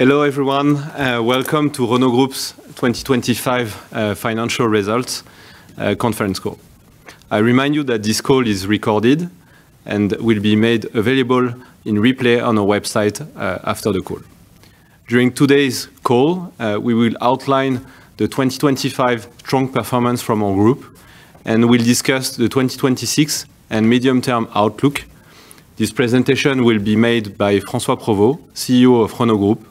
Hello, everyone, welcome to Renault Group's 2025 Financial Results Conference Call. I remind you that this call is recorded and will be made available in replay on our website, after the call. During today's call, we will outline the 2025 strong performance from our group, and we'll discuss the 2026 and medium-term outlook. This presentation will be made by François Provost, CEO of Renault Group,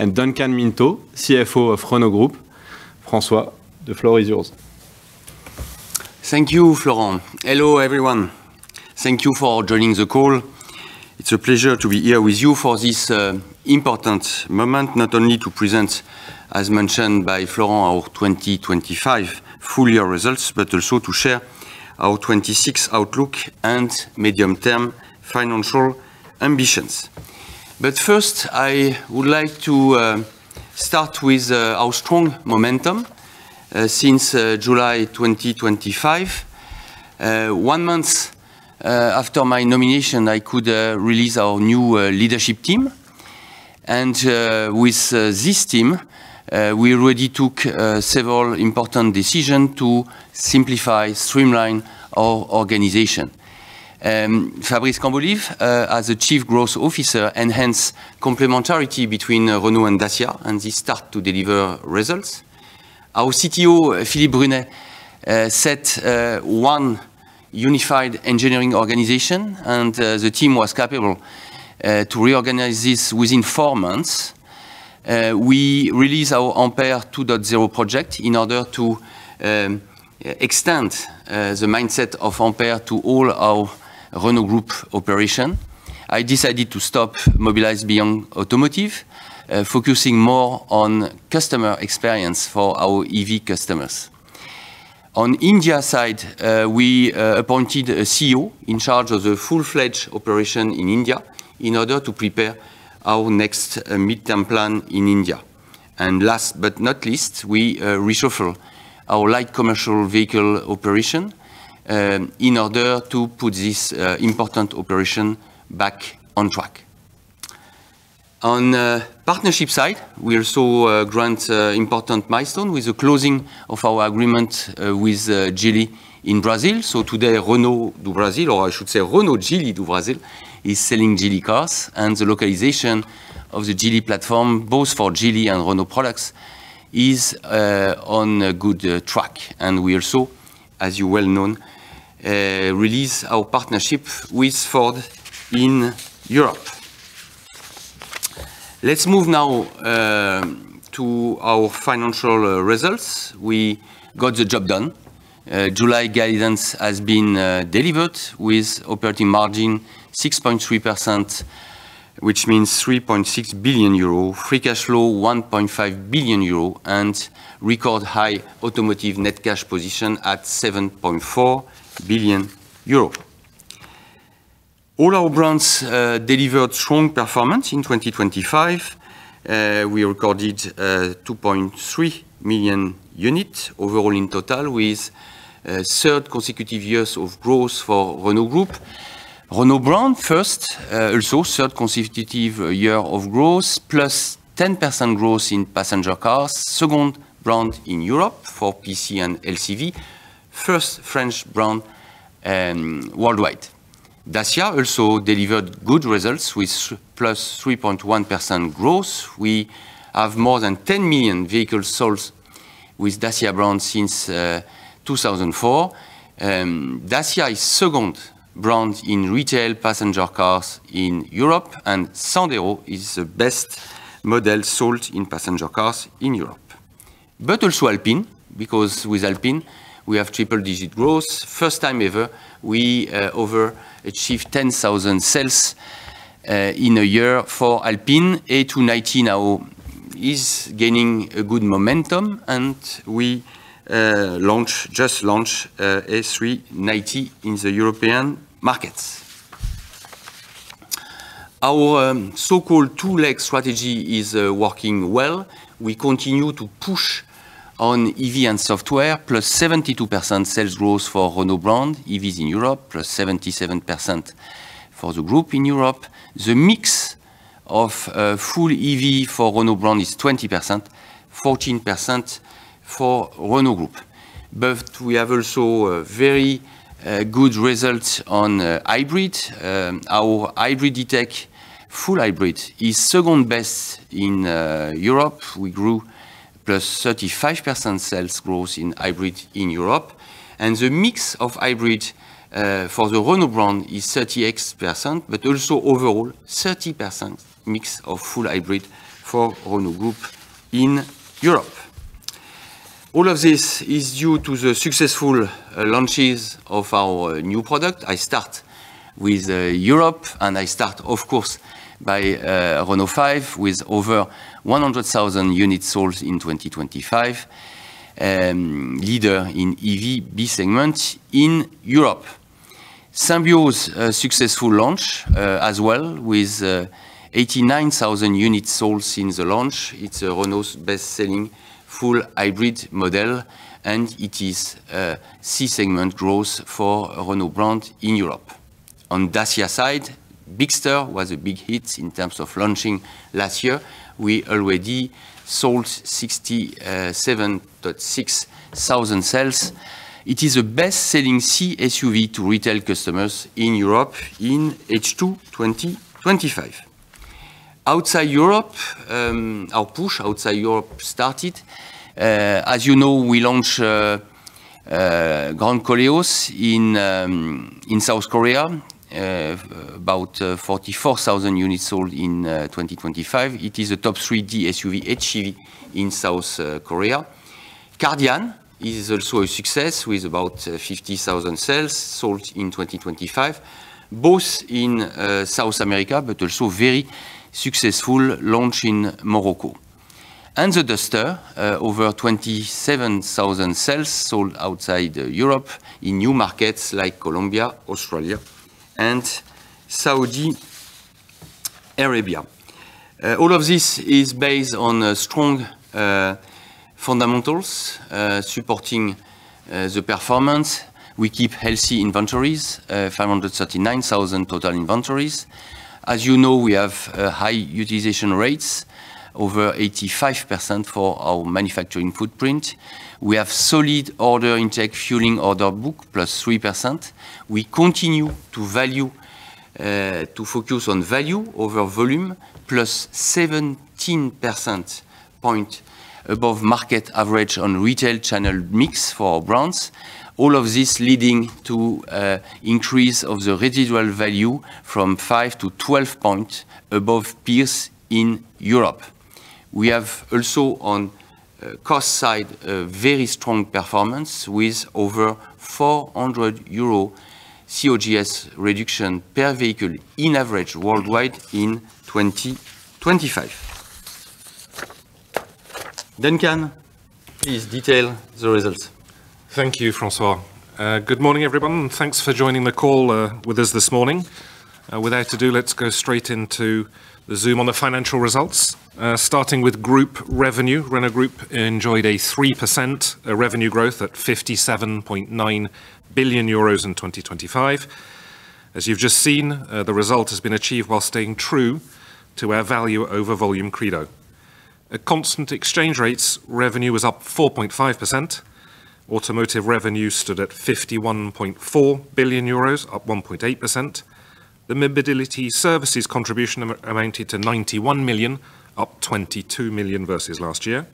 and Duncan Minto, CFO of Renault Group. François, the floor is yours. Thank you, Florent. Hello, everyone. Thank you for joining the call. It's a pleasure to be here with you for this, important moment, not only to present, as mentioned by Florent, our 2025 full year results, but also to share our 2026 outlook and medium-term financial ambitions. But first, I would like to start with our strong momentum since July 2025. One month after my nomination, I could release our new leadership team, and with this team, we already took several important decision to simplify, streamline our organization. Fabrice Cambolive, as the Chief Growth Officer, enhance complementarity between Renault and Dacia, and this start to deliver results. Our CTO, Philippe Brunet, set one unified engineering organization, and the team was capable to reorganize this within four months. We released our Ampère 2.0 project in order to extend the mindset of Ampère to all our Renault Group operation. I decided to stop Mobilize Beyond Automotive, focusing more on customer experience for our EV customers. On India side, we appointed a CEO in charge of the full-fledged operation in India in order to prepare our next midterm plan in India. And last but not least, we reshuffle our light commercial vehicle operation, in order to put this important operation back on track. On partnership side, we also grant important milestone with the closing of our agreement with Geely in Brazil. So today, Renault do Brasil, or I should say Renault Geely do Brasil, is selling Geely cars, and the localization of the Geely platform, both for Geely and Renault products, is on a good track. And we also, as you well know, release our partnership with Ford in Europe. Let's move now to our financial results. We got the job done. July guidance has been delivered with operating margin 6.3%, which means 3.6 billion euro, free cash flow 1.5 billion euro, and record high automotive net cash position at 7.4 billion euro. All our brands delivered strong performance in 2025. We recorded 2.3 million units overall in total, with third consecutive years of growth for Renault Group. Renault Brand first, also third consecutive year of growth, +10% growth in passenger cars. Second brand in Europe for PC and LCV. First French brand worldwide. Dacia also delivered good results with plus 3.1% growth. We have more than 10 million vehicles sold with Dacia brand since 2004. Dacia is 2nd brand in retail passenger cars in Europe, and Sandero is the best model sold in passenger cars in Europe. But also Alpine, because with Alpine we have triple digit growth. First time ever, we overachieved 10,000 sales in a year for Alpine. A290 now is gaining a good momentum, and we launched, just launched, A390 in the European markets. Our so-called two-leg strategy is working well. We continue to push on EV and software, +72% sales growth for Renault Brand EVs in Europe, +77% for the group in Europe. The mix of full EV for Renault Brand is 20%, 14% for Renault Group. But we have also a very good result on hybrid. Our Hybrid Tech full hybrid is second best in Europe. We grew +35% sales growth in hybrid in Europe, and the mix of hybrid for the Renault Brand is 38%, but also overall, 30% mix of full hybrid for Renault Group in Europe. All of this is due to the successful launches of our new product. I start with Europe, and I start, of course, by Renault 5, with over 100,000 units sold in 2025. Leader in EV B segment in Europe. Sandero's successful launch as well, with 89,000 units sold since the launch. It's Renault's best-selling full hybrid model, and it is C-segment growth for Renault Brand in Europe. On Dacia side, Bigster was a big hit in terms of launching last year. We already sold 67.6 thousand sales. It is the best-selling C-SUV to retail customers in Europe in H2 2025. Outside Europe, our push outside Europe started. As you know, we launched Grand Koleos in South Korea. About 44,000 units sold in 2025. It is a top three DSUV, HEV in South Korea. Kardian is also a success, with about 50,000 sales sold in 2025, both in South America, but also very successful launch in Morocco. The Duster, over 27,000 sales sold outside Europe in new markets like Colombia, Australia, and Saudi Arabia. All of this is based on strong fundamentals supporting the performance. We keep healthy inventories, 539,000 total inventories. As you know, we have high utilization rates, over 85% for our manufacturing footprint. We have solid order intake, fueling order book, +3%. We continue to focus on value over volume, +17 percentage points above market average on retail channel mix for our brands. All of this leading to increase of the residual value from 5-12 points above peers in Europe. We have also, on cost side, a very strong performance with over 400 euro COGS reduction per vehicle in average worldwide in 2025. Duncan, please detail the results. Thank you, François. Good morning, everyone, and thanks for joining the call with us this morning. Without ado, let's go straight into the zoom on the financial results. Starting with group revenue. Renault Group enjoyed a 3% revenue growth at 57.9 billion euros in 2025. As you've just seen, the result has been achieved while staying true to our value over volume credo. At constant exchange rates, revenue was up 4.5%. Automotive revenue stood at 51.4 billion euros, up 1.8%. The Mobility Services contribution amounted to 91 million, up 22 million versus last year.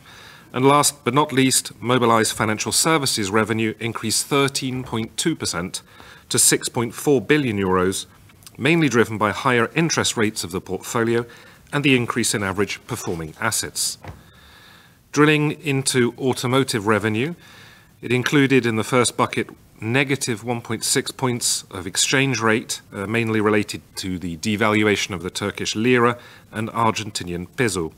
And last but not least, Mobilize Financial Services revenue increased 13.2% to 6.4 billion euros, mainly driven by higher interest rates of the portfolio and the increase in average performing assets. Drilling into automotive revenue, it included in the first bucket, negative 1.6 points of exchange rate, mainly related to the devaluation of the Turkish lira and Argentine peso.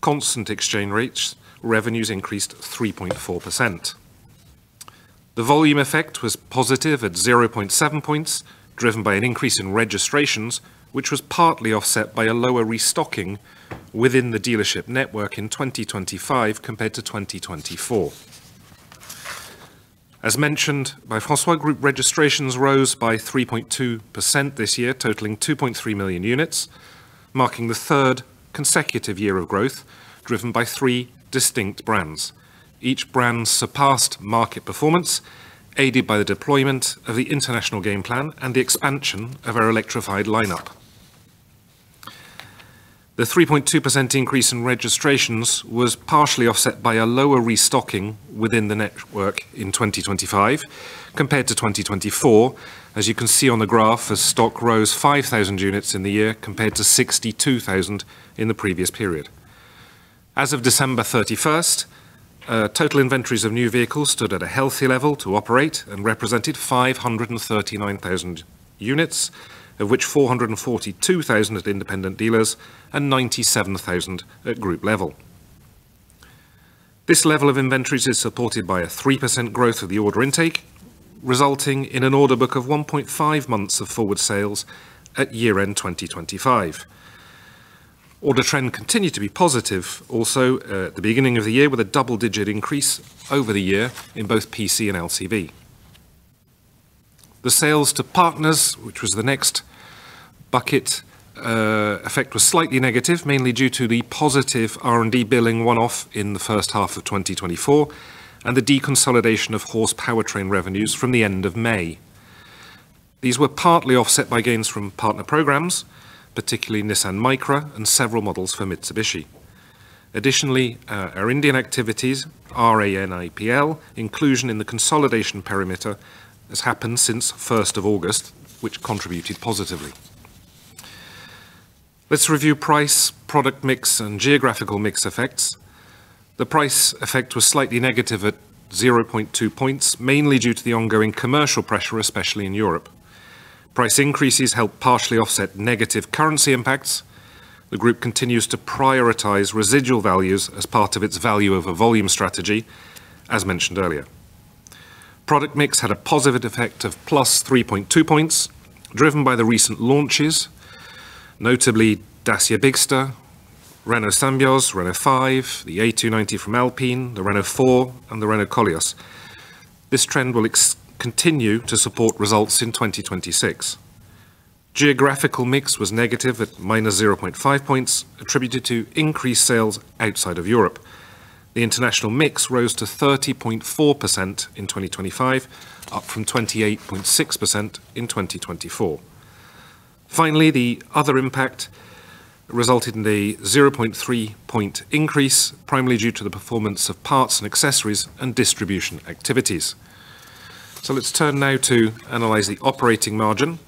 Constant exchange rates, revenues increased 3.4%. The volume effect was positive at 0.7 points, driven by an increase in registrations, which was partly offset by a lower restocking within the dealership network in 2025 compared to 2024. As mentioned by François, group registrations rose by 3.2% this year, totaling 2.3 million units, marking the third consecutive year of growth, driven by three distinct brands. Each brand surpassed market performance, aided by the deployment of the international game plan and the expansion of our electrified lineup. The 3.2% increase in registrations was partially offset by a lower restocking within the network in 2025 compared to 2024. As you can see on the graph, as stock rose 5,000 units in the year, compared to 62,000 in the previous period. As of December 31st, total inventories of new vehicles stood at a healthy level to operate and represented 539,000 units, of which 442,000 at independent dealers and 97,000 at group level. This level of inventories is supported by a 3% growth of the order intake, resulting in an order book of 1.5 months of forward sales at year-end 2025. Order trend continued to be positive, also, at the beginning of the year, with a double-digit increase over the year in both PC and LCV. The sales to partners, which was the next bucket effect, was slightly negative, mainly due to the positive R&D billing one-off in the first half of 2024, and the deconsolidation of Horse Powertrain revenues from the end of May. These were partly offset by gains from partner programs, particularly Nissan Micra and several models for Mitsubishi. Additionally, our Indian activities, RANIPL, inclusion in the consolidation perimeter has happened since 1st of August, which contributed positively. Let's review price, product mix, and geographical mix effects. The price effect was slightly negative at 0.2 points, mainly due to the ongoing commercial pressure, especially in Europe. Price increases helped partially offset negative currency impacts. The group continues to prioritize residual values as part of its value over volume strategy, as mentioned earlier. Product mix had a positive effect of +3.2 points, driven by the recent launches, notably Dacia Bigster, Renault Symbioz, Renault 5, the A290 from Alpine, the Renault 4, and the Renault Koleos. This trend will continue to support results in 2026. Geographical mix was negative at -0.5 points, attributed to increased sales outside of Europe. The international mix rose to 30.4% in 2025, up from 28.6% in 2024. Finally, the other impact resulted in the 0.3-point increase, primarily due to the performance of parts and accessories and distribution activities. So let's turn now to analyze the operating margin.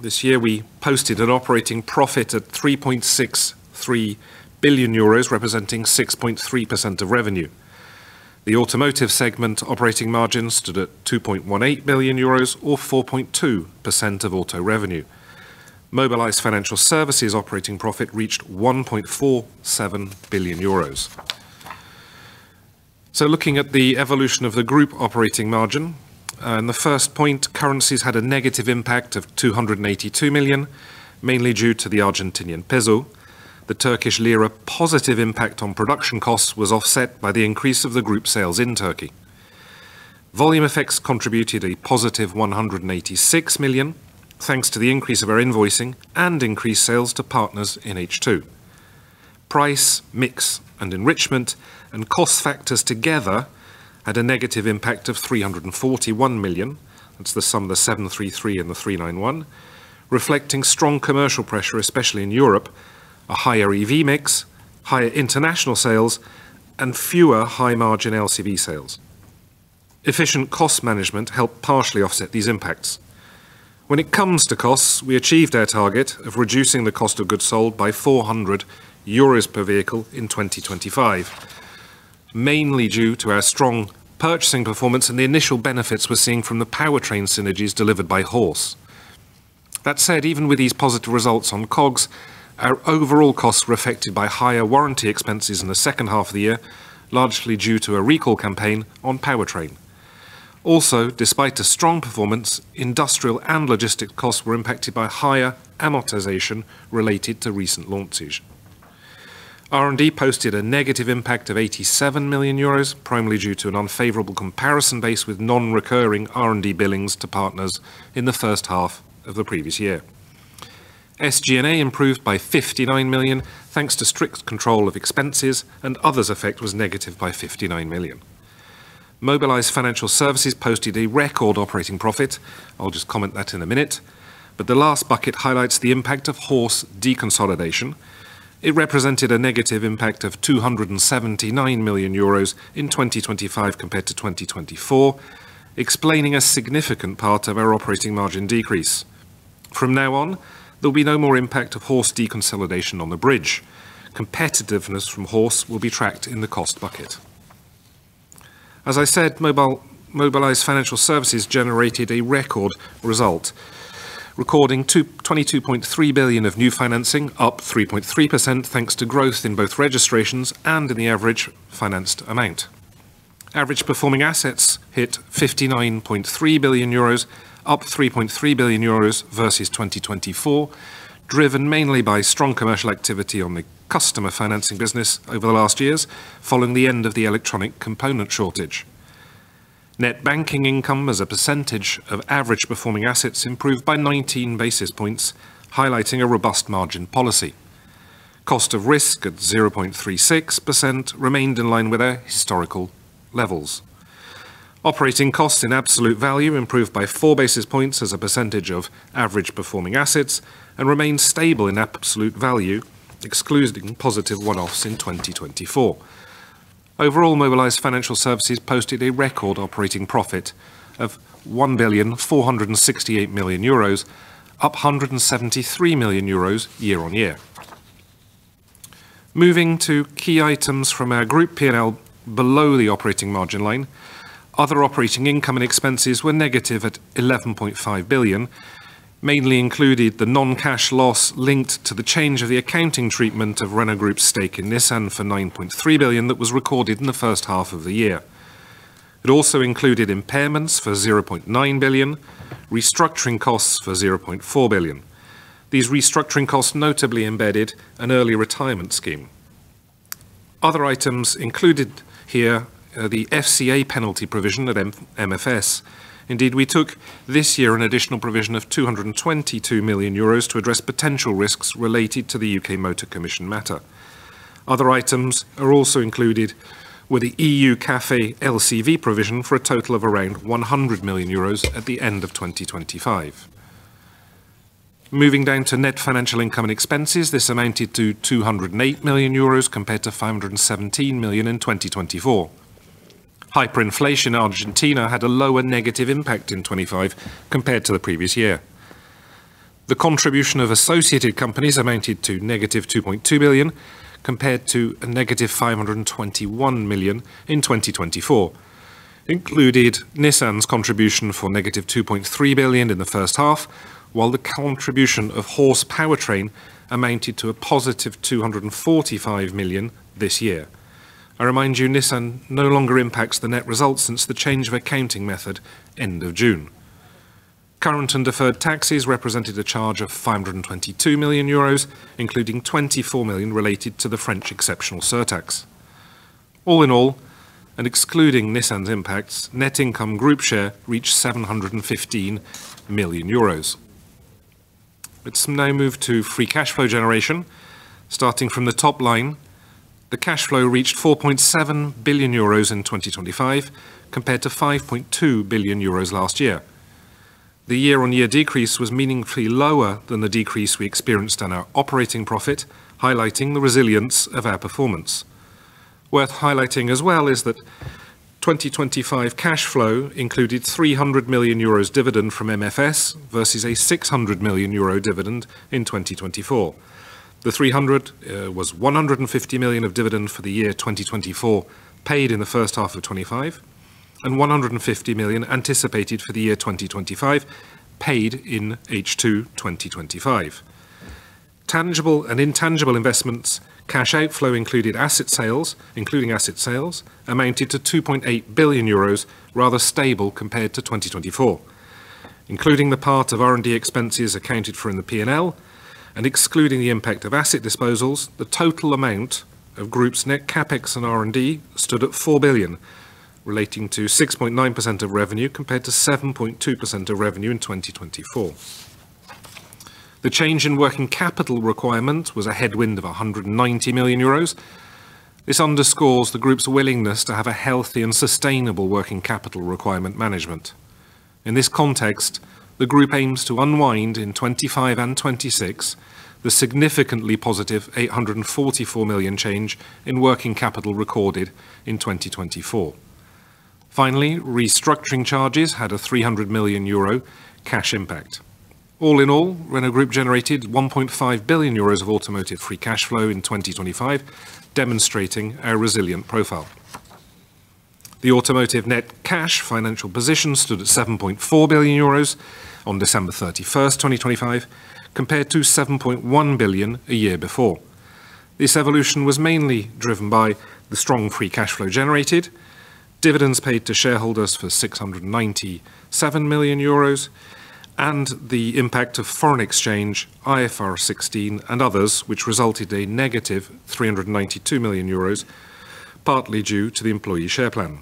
This year, we posted an operating profit at 3.63 billion euros, representing 6.3% of revenue. The automotive segment operating margin stood at 2.18 billion euros, or 4.2% of auto revenue. Mobilize Financial Services operating profit reached 1.47 billion euros. So looking at the evolution of the group operating margin, and the first point, currencies had a negative impact of 282 million, mainly due to the Argentinian peso. The Turkish lira positive impact on production costs was offset by the increase of the group sales in Turkey. Volume effects contributed a positive 186 million, thanks to the increase of our invoicing and increased sales to partners in H2. Price, mix, and enrichment, and cost factors together had a negative impact of 341 million. That's the sum of the 733 and the 391, reflecting strong commercial pressure, especially in Europe, a higher EV mix, higher international sales, and fewer high-margin LCV sales. Efficient cost management helped partially offset these impacts. When it comes to costs, we achieved our target of reducing the cost of goods sold by 400 euros per vehicle in 2025, mainly due to our strong purchasing performance and the initial benefits we're seeing from the powertrain synergies delivered by Horse. That said, even with these positive results on COGS, our overall costs were affected by higher warranty expenses in the second half of the year, largely due to a recall campaign on powertrain. Also, despite a strong performance, industrial and logistic costs were impacted by higher amortization related to recent launches. R&D posted a negative impact of 87 million euros, primarily due to an unfavorable comparison base with non-recurring R&D billings to partners in the first half of the previous year. SG&A improved by 59 million, thanks to strict control of expenses, and others' effect was negative by 59 million. Mobilize Financial Services posted a record operating profit. I'll just comment that in a minute, but the last bucket highlights the impact of Horse deconsolidation. It represented a negative impact of 279 million euros in 2025 compared to 2024, explaining a significant part of our operating margin decrease. From now on, there'll be no more impact of Horse deconsolidation on the bridge. Competitiveness from Horse will be tracked in the cost bucket. As I said, Mobilize Financial Services generated a record result, recording 22.3 billion of new financing, up 3.3%, thanks to growth in both registrations and in the average financed amount. Average performing assets hit 59.3 billion euros, up 3.3 billion euros versus 2024, driven mainly by strong commercial activity on the customer financing business over the last years, following the end of the electronic component shortage. Net banking income as a percentage of average performing assets improved by 19 basis points, highlighting a robust margin policy. Cost of risk at 0.36% remained in line with our historical levels. Operating costs in absolute value improved by 4 basis points as a percentage of average performing assets and remained stable in absolute value, excluding positive one-offs in 2024. Overall, Mobilize Financial Services posted a record operating profit of 1,468 million euros, up 173 million euros year-on-year. Moving to key items from our group P&L below the operating margin line, other operating income and expenses were negative at 11.5 billion, mainly included the non-cash loss linked to the change of the accounting treatment of Renault Group's stake in Nissan for 9.3 billion that was recorded in the first half of the year. It also included impairments for 0.9 billion, restructuring costs for 0.4 billion. These restructuring costs notably embedded an early retirement scheme. Other items included here are the FCA penalty provision of MFS. Indeed, we took this year an additional provision of 222 million euros to address potential risks related to the UK Motor Commission matter. Other items are also included with the EU CAFE LCV provision for a total of around 100 million euros at the end of 2025. Moving down to net financial income and expenses, this amounted to 208 million euros compared to 517 million in 2024. Hyperinflation in Argentina had a lower negative impact in 2025 compared to the previous year. The contribution of associated companies amounted to -2.2 billion, compared to -521 million in 2024. Included Nissan's contribution for -2.3 billion in the first half, while the contribution of Horse Powertrain amounted to +245 million this year. I remind you, Nissan no longer impacts the net results since the change of accounting method end of June. Current and deferred taxes represented a charge of 522 million euros, including 24 million related to the French exceptional surtax. All in all, and excluding Nissan's impacts, net income group share reached 715 million euros. Let's now move to free cash flow generation. Starting from the top line, the cash flow reached 4.7 billion euros in 2025, compared to 5.2 billion euros last year. The year-on-year decrease was meaningfully lower than the decrease we experienced on our operating profit, highlighting the resilience of our performance. Worth highlighting as well is that 2025 cash flow included 300 million euros dividend from MFS, versus a 600 million euro dividend in 2024. The 300 was 150 million of dividend for the year 2024, paid in the first half of 2025, and 150 million anticipated for the year 2025, paid in H2 2025. Tangible and intangible investments, cash outflow included asset sales, including asset sales, amounted to 2.8 billion euros, rather stable compared to 2024. Including the part of R&D expenses accounted for in the P&L and excluding the impact of asset disposals, the total amount of group's net CapEx and R&D stood at 4 billion, relating to 6.9% of revenue, compared to 7.2% of revenue in 2024. The change in working capital requirement was a headwind of 190 million euros. This underscores the group's willingness to have a healthy and sustainable working capital requirement management. In this context, the group aims to unwind in 2025 and 2026, the significantly positive 844 million change in working capital recorded in 2024. Finally, restructuring charges had a 300 million euro cash impact. All in all, Renault Group generated 1.5 billion euros of automotive free cash flow in 2025, demonstrating our resilient profile. The automotive net cash financial position stood at 7.4 billion euros on December 31, 2025, compared to 7.1 billion a year before. This evolution was mainly driven by the strong free cash flow generated, dividends paid to shareholders for 697 million euros, and the impact of foreign exchange, IFRS 16, and others, which resulted a negative 392 million euros, partly due to the employee share plan.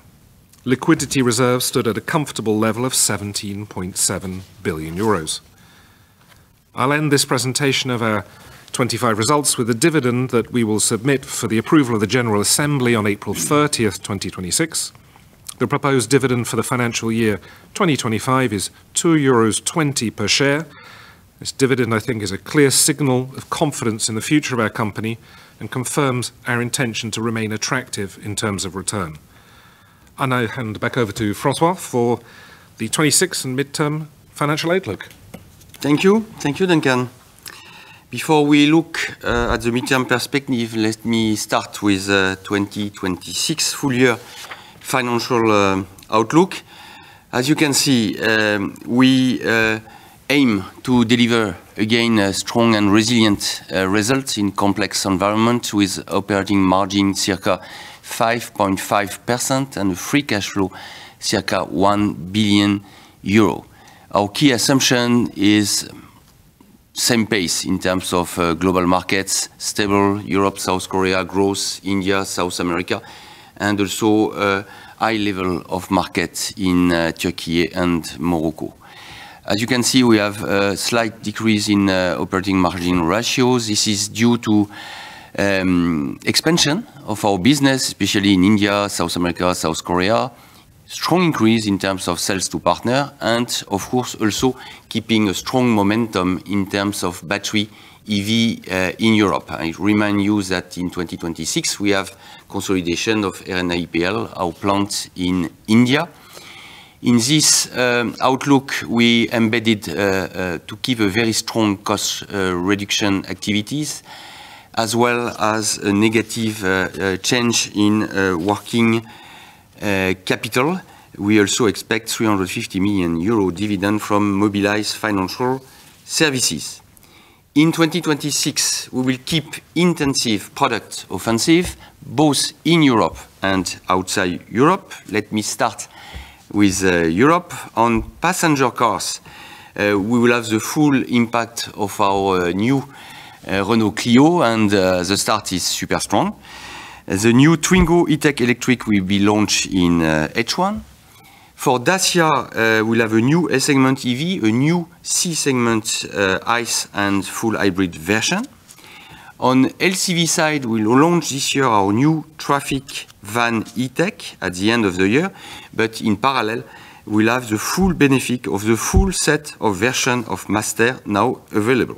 Liquidity reserves stood at a comfortable level of 17.7 billion euros. I'll end this presentation of our 2025 results with a dividend that we will submit for the approval of the General Assembly on April 30, 2026. The proposed dividend for the financial year 2025 is 2.20 euros per share. This dividend, I think, is a clear signal of confidence in the future of our company and confirms our intention to remain attractive in terms of return. I now hand back over to François for the 2026 and midterm financial outlook. Thank you. Thank you, Duncan. Before we look at the midterm perspective, let me start with 2026 full year financial outlook. As you can see, we aim to deliver, again, a strong and resilient result in complex environment, with operating margin circa 5.5% and free cash flow circa 1 billion euro. Our key assumption is same pace in terms of global markets, stable Europe, South Korea, growth, India, South America, and also high level of market in Turkey and Morocco. As you can see, we have a slight decrease in operating margin ratios. This is due to expansion of our business, especially in India, South America, South Korea. Strong increase in terms of sales to partner, and of course, also keeping a strong momentum in terms of battery EV in Europe. I remind you that in 2026, we have consolidation of RANIPL, our plant in India. In this outlook, we embedded to keep a very strong cost reduction activities, as well as a negative change in working capital. We also expect 350 million euro dividend from Mobilize Financial Services. In 2026, we will keep intensive product offensive, both in Europe and outside Europe. Let me start with Europe. On passenger cars, we will have the full impact of our new Renault Clio, and the start is super strong. The new Twingo E-Tech Electric will be launched in H1. For Dacia, we'll have a new S-segment EV, a new C-segment ICE and full hybrid version. On LCV side, we will launch this year our new Trafic van E-Tech at the end of the year, but in parallel, we'll have the full benefit of the full set of version of Master now available.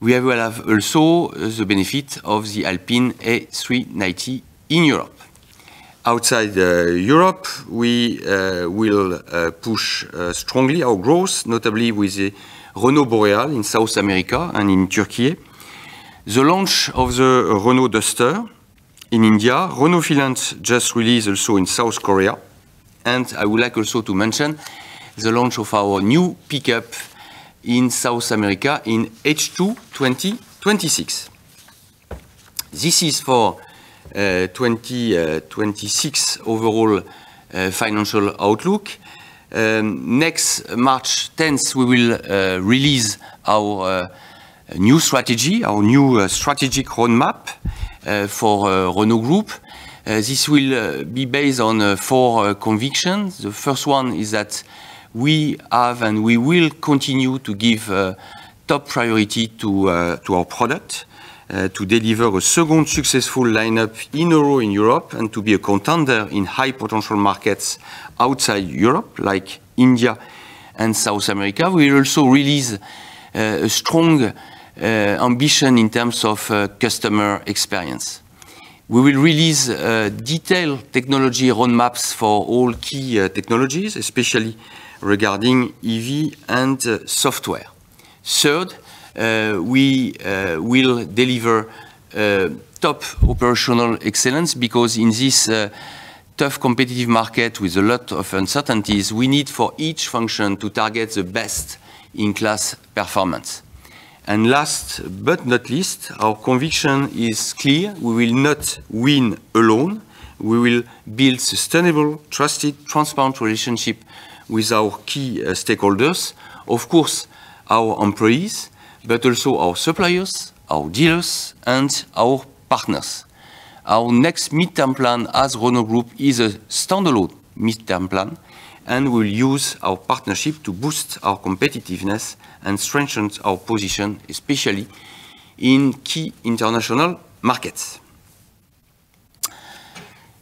We will have also the benefit of the Alpine A390 in Europe. Outside Europe, we will push strongly our growth, notably with the Renault Boreale in South America and in Turkey. The launch of the Renault Duster in India, Renault Fieland just released also in South Korea, and I would like also to mention the launch of our new pickup in South America in H2 2026. This is for 2026 overall financial outlook. Next March 10, we will release our new strategy, our new strategic roadmap for Renault Group. This will be based on four convictions. The first one is that we have, and we will continue to give, top priority to our product, to deliver a second successful lineup in a row in Europe, and to be a contender in high-potential markets outside Europe, like India and South America. We will also release a strong ambition in terms of customer experience. We will release detailed technology roadmaps for all key technologies, especially regarding EV and software. Third, we will deliver top operational excellence, because in this tough competitive market with a lot of uncertainties, we need for each function to target the best-in-class performance. And last but not least, our conviction is clear: we will not win alone. We will build sustainable, trusted, transparent relationship with our key stakeholders. Of course, our employees, but also our suppliers, our dealers, and our partners. Our next midterm plan as Renault Group is a standalone midterm plan, and we'll use our partnership to boost our competitiveness and strengthen our position, especially in key international markets.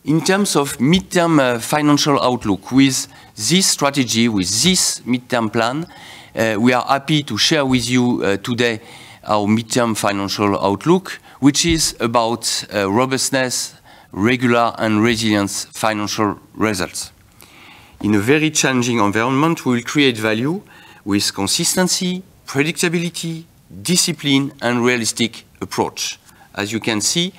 In terms of midterm, financial outlook, with this strategy, with this midterm plan, we are happy to share with you, today our midterm financial outlook, which is about, robustness, regular, and resilience financial results. In a very challenging environment, we will create value with consistency, predictability, discipline, and realistic approach. As you can see,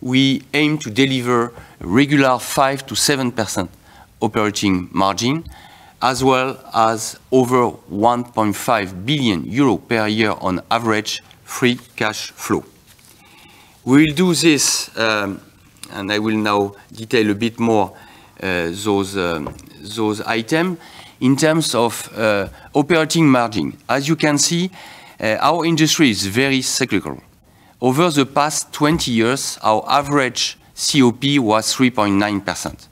we aim to deliver regular 5%-7% operating margin, as well as over 1.5 billion euro per year on average, free cash flow. We will do this, and I will now detail a bit more, those, those item. In terms of operating margin, as you can see, our industry is very cyclical. Over the past 20 years, our average COP was 3.9%,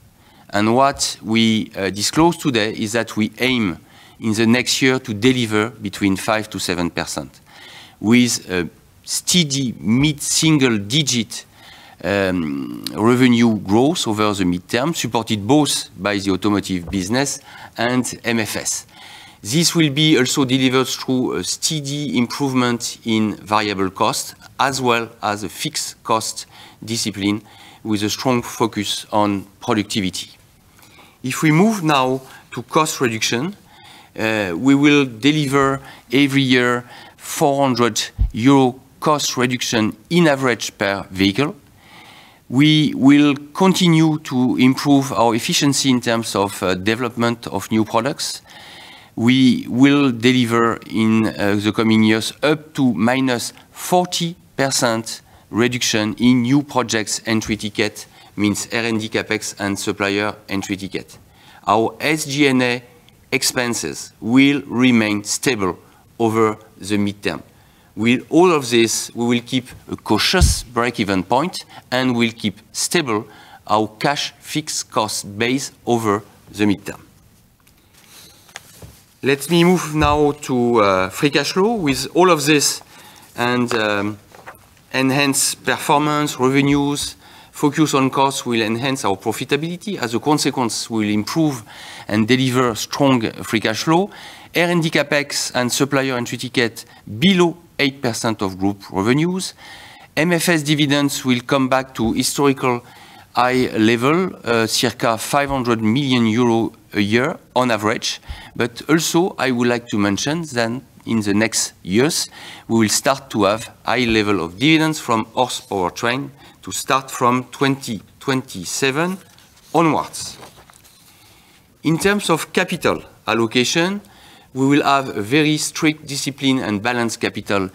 and what we disclose today is that we aim in the next year to deliver between 5%-7%, with a steady mid-single digit revenue growth over the midterm, supported both by the automotive business and MFS. This will be also delivered through a steady improvement in variable cost, as well as a fixed cost discipline with a strong focus on productivity. If we move now to cost reduction, we will deliver every year 400 euro cost reduction in average per vehicle. We will continue to improve our efficiency in terms of development of new products. We will deliver in the coming years up to -40% reduction in new projects entry ticket, means R&D CapEx and supplier entry ticket. Our SG&A expenses will remain stable over the midterm. With all of this, we will keep a cautious break-even point, and we'll keep stable our cash fixed cost base over the midterm. Let me move now to free cash flow. With all of this and enhanced performance, revenues, focus on costs will enhance our profitability. As a consequence, we'll improve and deliver strong free cash flow. R&D CapEx and supplier entry ticket below 8% of group revenues. MFS dividends will come back to historical high level, circa 500 million euro a year on average. But also, I would like to mention that in the next years, we will start to have high level of dividends from Horse Powertrain to start from 2027 onwards. In terms of capital allocation, we will have a very strict discipline and balanced capital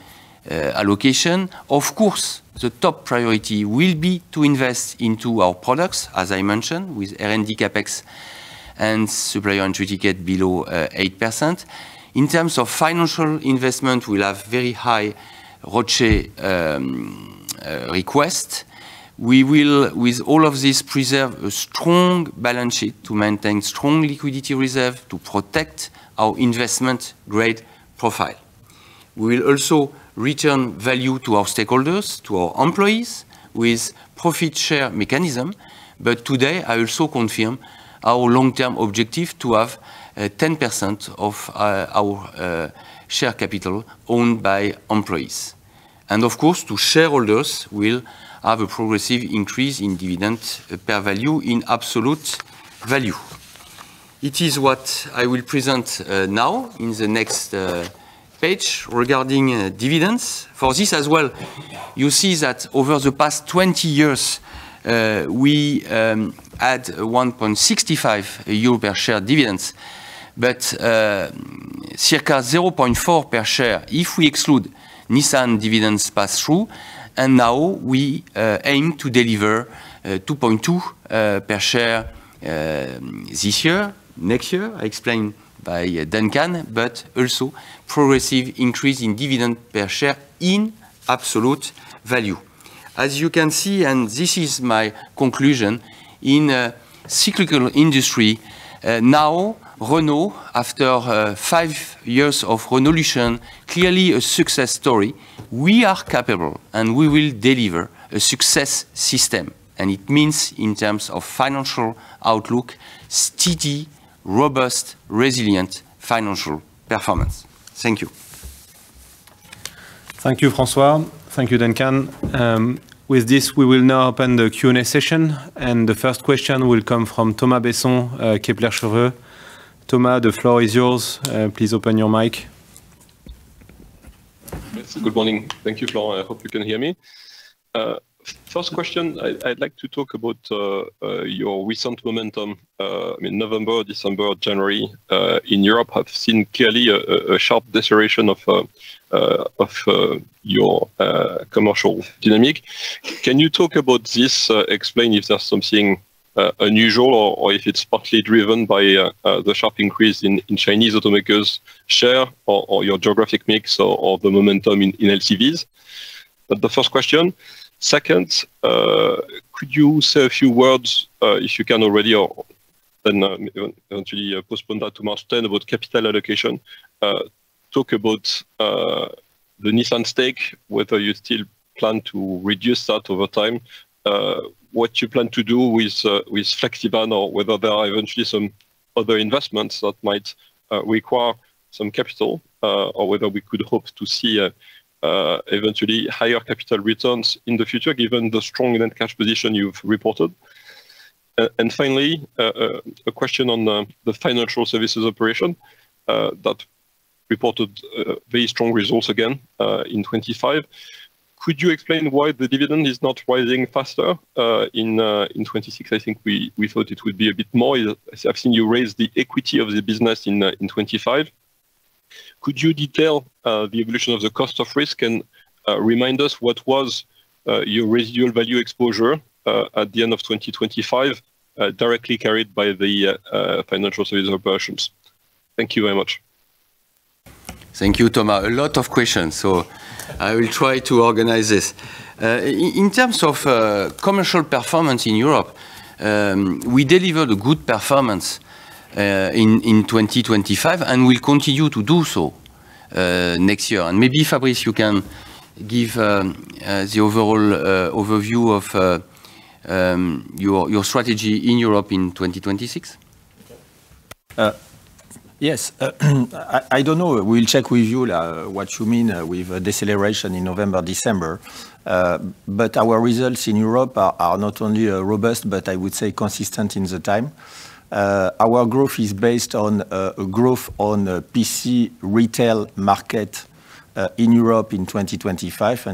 allocation. Of course, the top priority will be to invest into our products, as I mentioned, with R&D CapEx and supplier entry ticket below 8%. In terms of financial investment, we'll have very high ROCE request. We will, with all of this, preserve a strong balance sheet to maintain strong liquidity reserve to protect our investment grade profile. We will also return value to our stakeholders, to our employees, with profit share mechanism. But today, I also confirm our long-term objective to have 10% of our share capital owned by employees. Of course, to shareholders, we'll have a progressive increase in dividend per value in absolute value. It is what I will present now in the next page regarding dividends. For this as well, you see that over the past 20 years, we had 1.65 euro per share dividends... but circa 0.4 per share, if we exclude Nissan dividends pass-through, and now we aim to deliver 2.2 per share this year, next year. As explained by Duncan, but also progressive increase in dividend per share in absolute value. As you can see, and this is my conclusion, in a cyclical industry, now Renault, after five years of Renaulution, clearly a success story, we are capable, and we will deliver a success system. It means in terms of financial outlook, steady, robust, resilient, financial performance. Thank you. Thank you, François. Thank you, Duncan. With this, we will now open the Q&A session, and the first question will come from Thomas Besson, Kepler Cheuvreux. Thomas, the floor is yours. Please open your mic. Yes, good morning. Thank you, Florent. I hope you can hear me. First question, I'd like to talk about your recent momentum in November, December, January. In Europe, I've seen clearly a sharp deterioration of your commercial dynamic. Can you talk about this, explain if there's something unusual or if it's partly driven by the sharp increase in Chinese automakers' share or your geographic mix or the momentum in LCVs? That's the first question. Second, could you say a few words, if you can already or then, actually, postpone that to March 10th, about capital allocation? Talk about the Nissan stake, whether you still plan to reduce that over time, what you plan to do with Flexis or whether there are eventually some other investments that might require some capital, or whether we could hope to see eventually higher capital returns in the future, given the strong net cash position you've reported. Finally, a question on the financial services operation that reported very strong results again in 2025. Could you explain why the dividend is not rising faster in 2026? I think we thought it would be a bit more. I've seen you raise the equity of the business in 2025. Could you detail the evolution of the cost of risk and remind us what was your residual value exposure at the end of 2025 directly carried by the financial services operations? Thank you very much. Thank you, Thomas. A lot of questions, so I will try to organize this. In terms of commercial performance in Europe, we delivered a good performance in 2025, and we'll continue to do so next year. And maybe, Fabrice, you can give the overall overview of your strategy in Europe in 2026. Yes. I don't know. We'll check with you what you mean with a deceleration in November, December. But our results in Europe are not only robust, but I would say consistent in the time. Our growth is based on a growth on the PC retail market in Europe in 2025,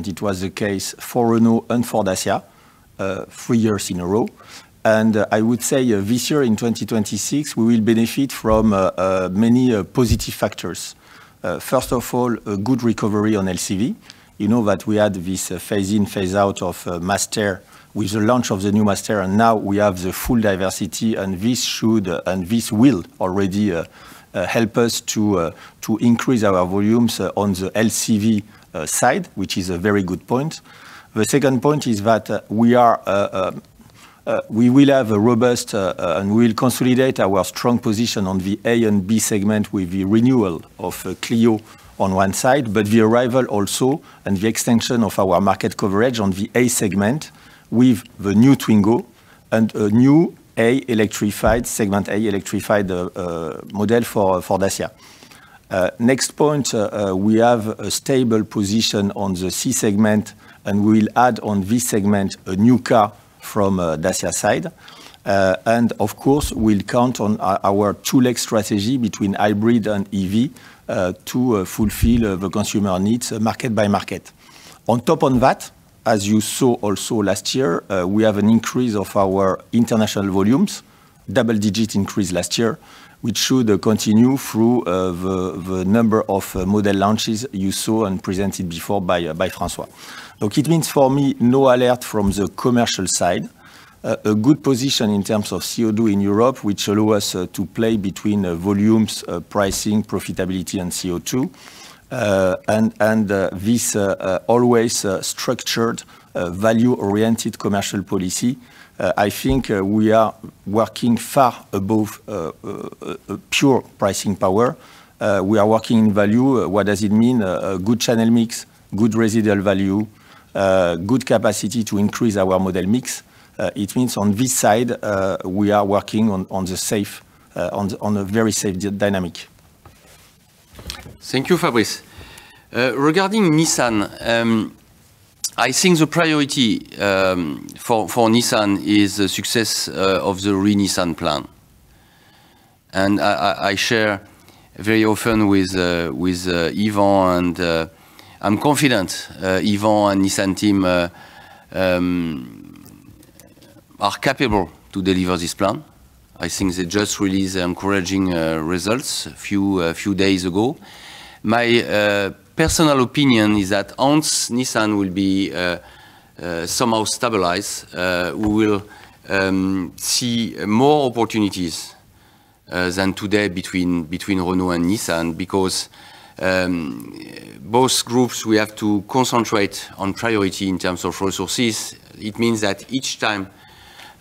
and it was the case for Renault and for Dacia three years in a row. I would say this year, in 2026, we will benefit from many positive factors. First of all, a good recovery on LCV. You know that we had this phase in, phase out of Master with the launch of the new Master, and now we have the full diversity, and this should, and this will already help us to increase our volumes on the LCV side, which is a very good point. The second point is that we will have a robust and we'll consolidate our strong position on the A and B segment with the renewal of Clio on one side, but the arrival also and the extension of our market coverage on the A segment with the new Twingo and a new A electrified, segment A electrified model for Dacia. Next point, we have a stable position on the C segment, and we will add on this segment a new car from Dacia side. And of course, we'll count on our two-leg strategy between hybrid and EV to fulfill the consumer needs market by market. On top of that, as you saw also last year, we have an increase of our international volumes, double-digit increase last year, which should continue through the number of model launches you saw and presented before by François. Look, it means for me, no alert from the commercial side, a good position in terms of CO2 in Europe, which allow us to play between volumes, pricing, profitability, and CO2. This always structured value-oriented commercial policy, I think, we are working far above pure pricing power. We are working in value. What does it mean? A good channel mix, good residual value, good capacity to increase our model mix. It means on this side, we are working on the safe, on a very safe dynamic. Thank you, Fabrice. Regarding Nissan, I think the priority for Nissan is the success of the Renaissance plan. And I share very often with Yvan, and I'm confident Yvan and Nissan team are capable to deliver this plan. I think they just released encouraging results a few days ago. My personal opinion is that once Nissan will be somehow stabilized, we will see more opportunities than today between Renault and Nissan. Because both groups, we have to concentrate on priority in terms of resources. It means that each time,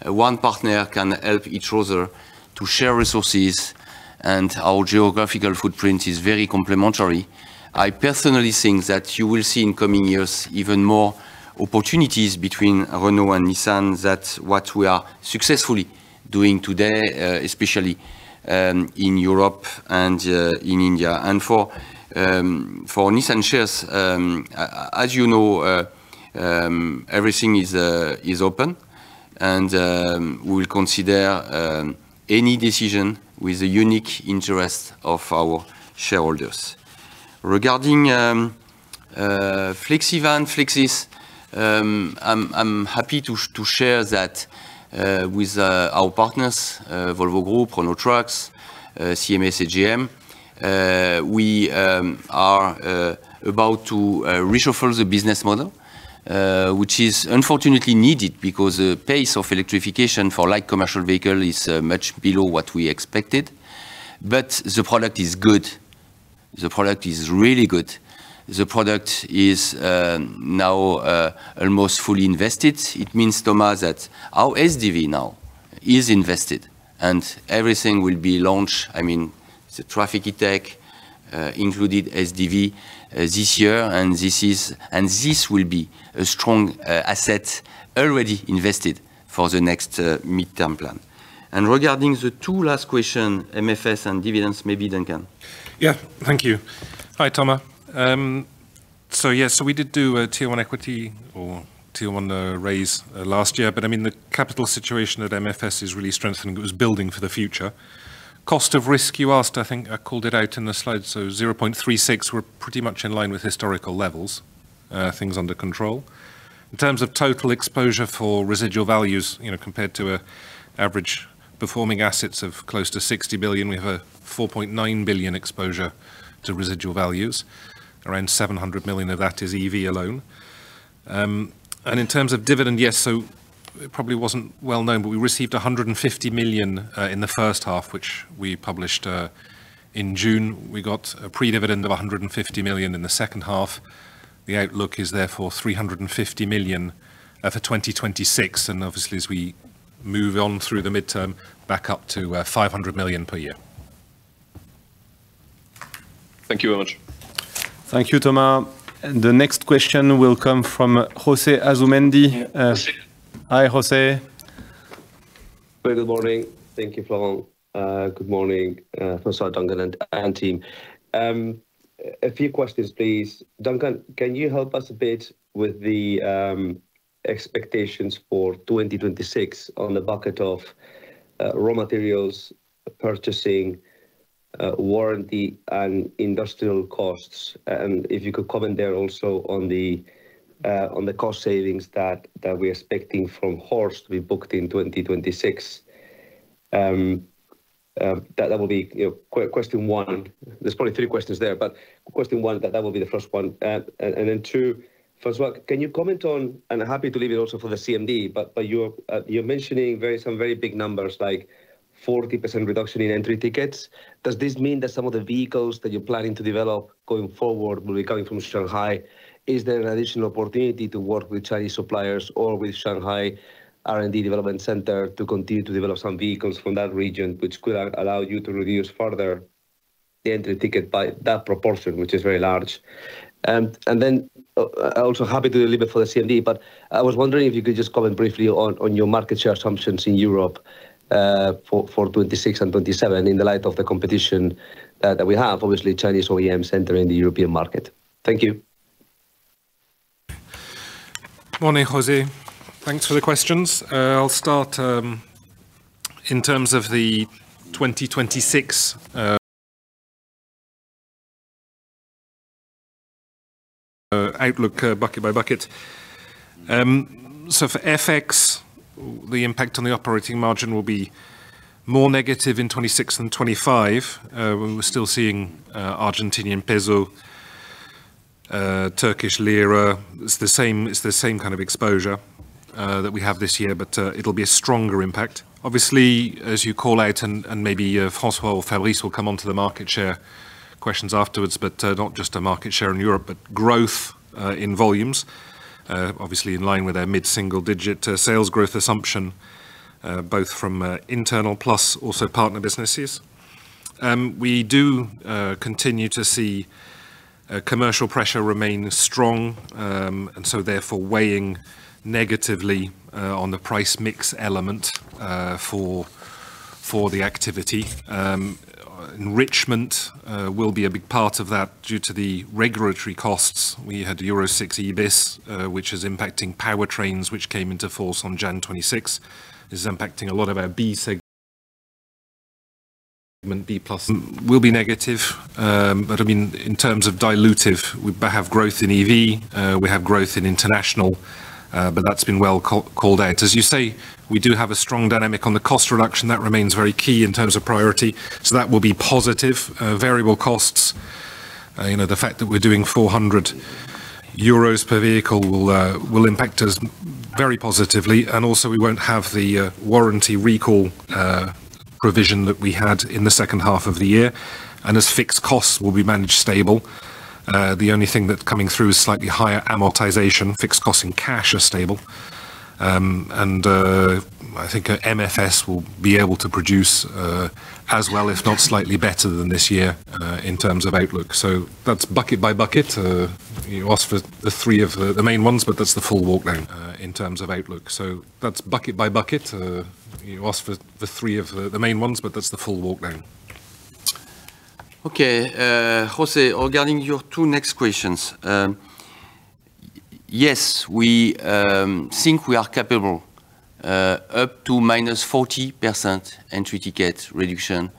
one partner can help each other to share resources, and our geographical footprint is very complementary. I personally think that you will see in coming years, even more opportunities between Renault and Nissan. That's what we are successfully doing today, especially, in Europe and, in India. And for, for Nissan shares, as you know, everything is, is open, and, we will consider, any decision with the unique interest of our shareholders. Regarding, Flexivan, Flexis, I'm happy to share that, with, our partners, Volvo Group, Renault Trucks, CMA CGM. We are, about to, reshuffle the business model, which is unfortunately needed because the pace of electrification for light commercial vehicle is, much below what we expected. But the product is good. The product is really good. The product is, now, almost fully invested. It means, Thomas, that our SDV now is invested, and everything will be launched. I mean, the Trafic E-Tech included SDV this year, and this will be a strong asset already invested for the next midterm plan. Regarding the two last question, MFS and dividends, maybe Duncan. Yeah. Thank you. Hi, Thomas. So yeah, so we did do a Tier One equity or Tier One raise last year, but, I mean, the capital situation at MFS is really strengthening. It was building for the future. Cost of risk, you asked, I think I called it out in the slide, so 0.36%, we're pretty much in line with historical levels. Things under control. In terms of total exposure for residual values, you know, compared to an average performing assets of close to 60 billion, we have a 4.9 billion exposure to residual values. Around 700 million of that is EV alone. And in terms of dividend, yes, so it probably wasn't well known, but we received 150 million in the first half, which we published in June. We got a pre-dividend of 150 million in the second half. The outlook is therefore 350 million for 2026, and obviously, as we move on through the midterm, back up to 500 million per year. Thank you very much. Thank you, Thomas. The next question will come from José Asumendi. Hi, Jose. Good morning. Thank you, Florent. Good morning, first of all, Duncan and team. A few questions, please. Duncan, can you help us a bit with the expectations for 2026 on the bucket of raw materials, purchasing, warranty, and industrial costs? And if you could comment there also on the cost savings that we're expecting from Horse to be booked in 2026. That will be, you know, question one. There's probably three questions there, but question one, that will be the first one. And then two, first of all, can you comment on... Happy to leave it also for the CMD, but you're mentioning some very big numbers, like 40% reduction in entry tickets. Does this mean that some of the vehicles that you're planning to develop going forward will be coming from Shanghai? Is there an additional opportunity to work with Chinese suppliers or with Shanghai R&D Development Center to continue to develop some vehicles from that region, which could allow you to reduce further the entry ticket by that proportion, which is very large? And then, also happy to leave it for the CMD, but I was wondering if you could just comment briefly on your market share assumptions in Europe, for 2026 and 2027, in the light of the competition that we have, obviously, Chinese OEMs entering the European market. Thank you. Morning, José. Thanks for the questions. I'll start in terms of the 2026 outlook, bucket by bucket. So for FX, the impact on the operating margin will be more negative in 2026 than 2025. We're still seeing Argentine peso, Turkish lira. It's the same, it's the same kind of exposure that we have this year, but it'll be a stronger impact. Obviously, as you call out, and maybe François or Fabrice will come on to the market share questions afterwards, but not just a market share in Europe, but growth in volumes. Obviously, in line with our mid-single-digit sales growth assumption, both from internal plus also partner businesses. We do continue to see commercial pressure remain strong, and so therefore, weighing negatively on the price mix element for the activity. Enrichment will be a big part of that due to the regulatory costs. We had Euro 6e which is impacting powertrains, which came into force on January 26th. This is impacting a lot of our B segment B plus will be negative, but I mean, in terms of dilutive, we have growth in EV, we have growth in international, but that's been well called out. As you say, we do have a strong dynamic on the cost reduction. That remains very key in terms of priority, so that will be positive. Variable costs, you know, the fact that we're doing 400 euros per vehicle will impact us very positively. And also, we won't have the warranty recall provision that we had in the second half of the year. And as fixed costs will be managed stable, the only thing that's coming through is slightly higher amortization. Fixed costs in cash are stable. And I think MFS will be able to produce as well, if not slightly better than this year, in terms of outlook. So that's bucket by bucket. You asked for the three of the main ones, but that's the full walk down in terms of outlook. So that's bucket by bucket. You asked for the three of the main ones, but that's the full walk down. Okay, José, regarding your two next questions. Yes, we think we are capable up to -40% entry ticket reduction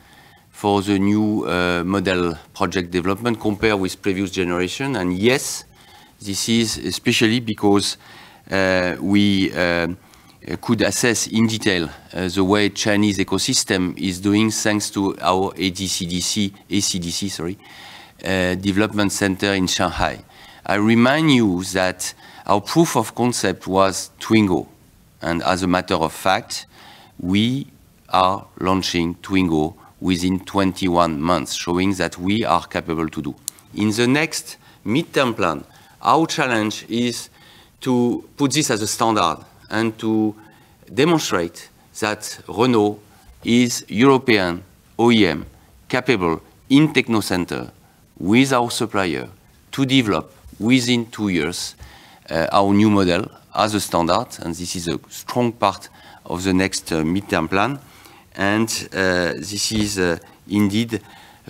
for the new model project development compared with previous generation. Yes, this is especially because we could assess in detail the way Chinese ecosystem is doing, thanks to our ADCDC, ACDC, sorry, development center in Shanghai. I remind you that our proof of concept was Twingo, and as a matter of fact, we are launching Twingo within 21 months, showing that we are capable to do. In the next midterm plan, our challenge is to put this as a standard and to demonstrate that Renault is European OEM, capable in techno center with our supplier to develop within two years, our new model as a standard, and this is a strong part of the next, midterm plan. And, this is, indeed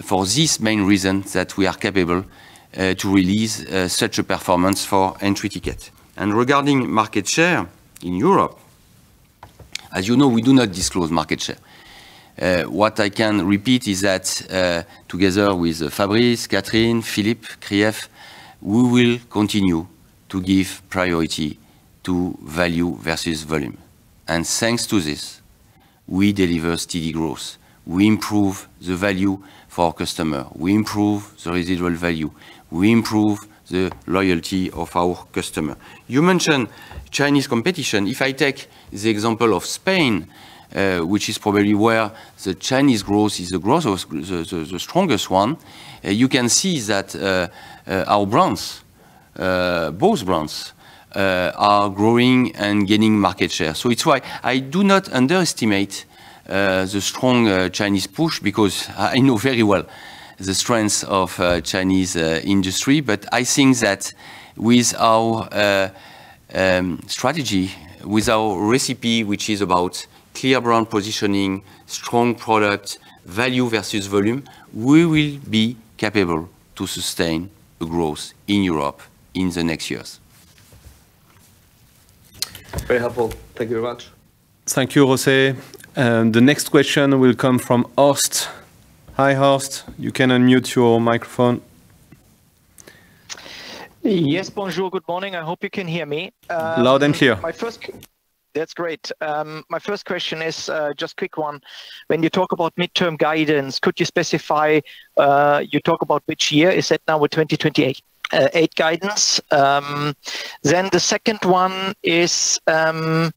for this main reason that we are capable, to release, such a performance for entry ticket. And regarding market share in Europe, as you know, we do not disclose market share. What I can repeat is that, together with Fabrice, Catherine, Philippe, Thierry, we will continue to give priority to value versus volume. And thanks to this, we deliver steady growth, we improve the value for our customer, we improve the residual value, we improve the loyalty of our customer. You mentioned Chinese competition. If I take the example of Spain, which is probably where the Chinese growth is the growth of the strongest one, you can see that, our brands, both brands, are growing and gaining market share. So it's why I do not underestimate the strong Chinese push, because I know very well the strengths of Chinese industry. But I think that with our strategy, with our recipe, which is about clear brand positioning, strong product, value versus volume, we will be capable to sustain the growth in Europe in the next years. Very helpful. Thank you very much. Thank you, José. The next question will come from Horst. Hi, Horst. You can unmute your microphone. Yes, bonjour, good morning. I hope you can hear me. Loud and clear. My first... That's great. My first question is, just quick one. When you talk about midterm guidance, could you specify, you talk about which year? Is that now with 2028, eight guidance? Then the second one is, again,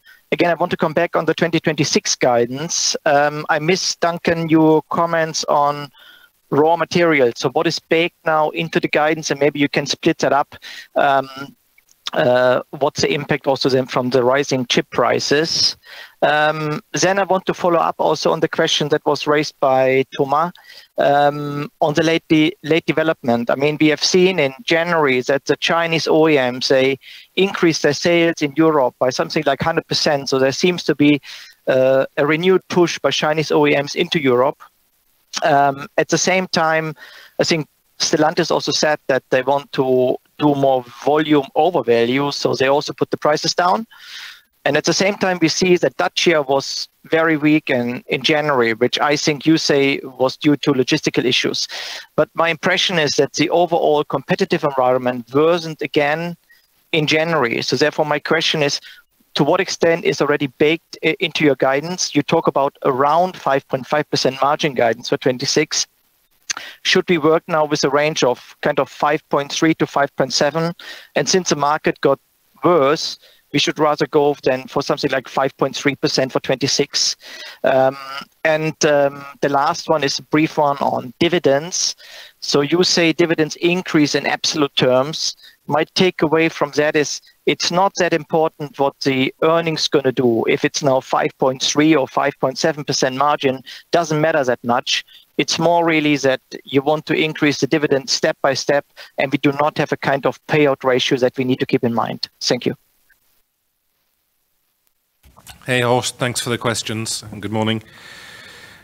I want to come back on the 2026 guidance. I missed, Duncan, your comments on raw materials. So what is baked now into the guidance? And maybe you can split that up. What's the impact also then from the rising chip prices? Then I want to follow up also on the question that was raised by Thomas, on the late development. I mean, we have seen in January that the Chinese OEMs, they increased their sales in Europe by something like 100%. So there seems to be, a renewed push by Chinese OEMs into Europe. At the same time, I think Stellantis also said that they want to do more volume over value, so they also put the prices down. And at the same time, we see that that year was very weak in January, which I think you say was due to logistical issues. But my impression is that the overall competitive environment worsened again in January. So therefore, my question is, to what extent is already baked into your guidance? You talk about around 5.5% margin guidance for 2026. Should we work now with a range of kind of 5.3%-5.7%? And since the market got worse, we should rather go than for something like 5.3% for 2026. And the last one is a brief one on dividends. So you say dividends increase in absolute terms. My takeaway from that is, it's not that important what the earnings gonna do. If it's now 5.3% or 5.7% margin, doesn't matter that much. It's more really that you want to increase the dividend step by step, and we do not have a kind of payout ratio that we need to keep in mind. Thank you. Hey, Horst, thanks for the questions, and good morning.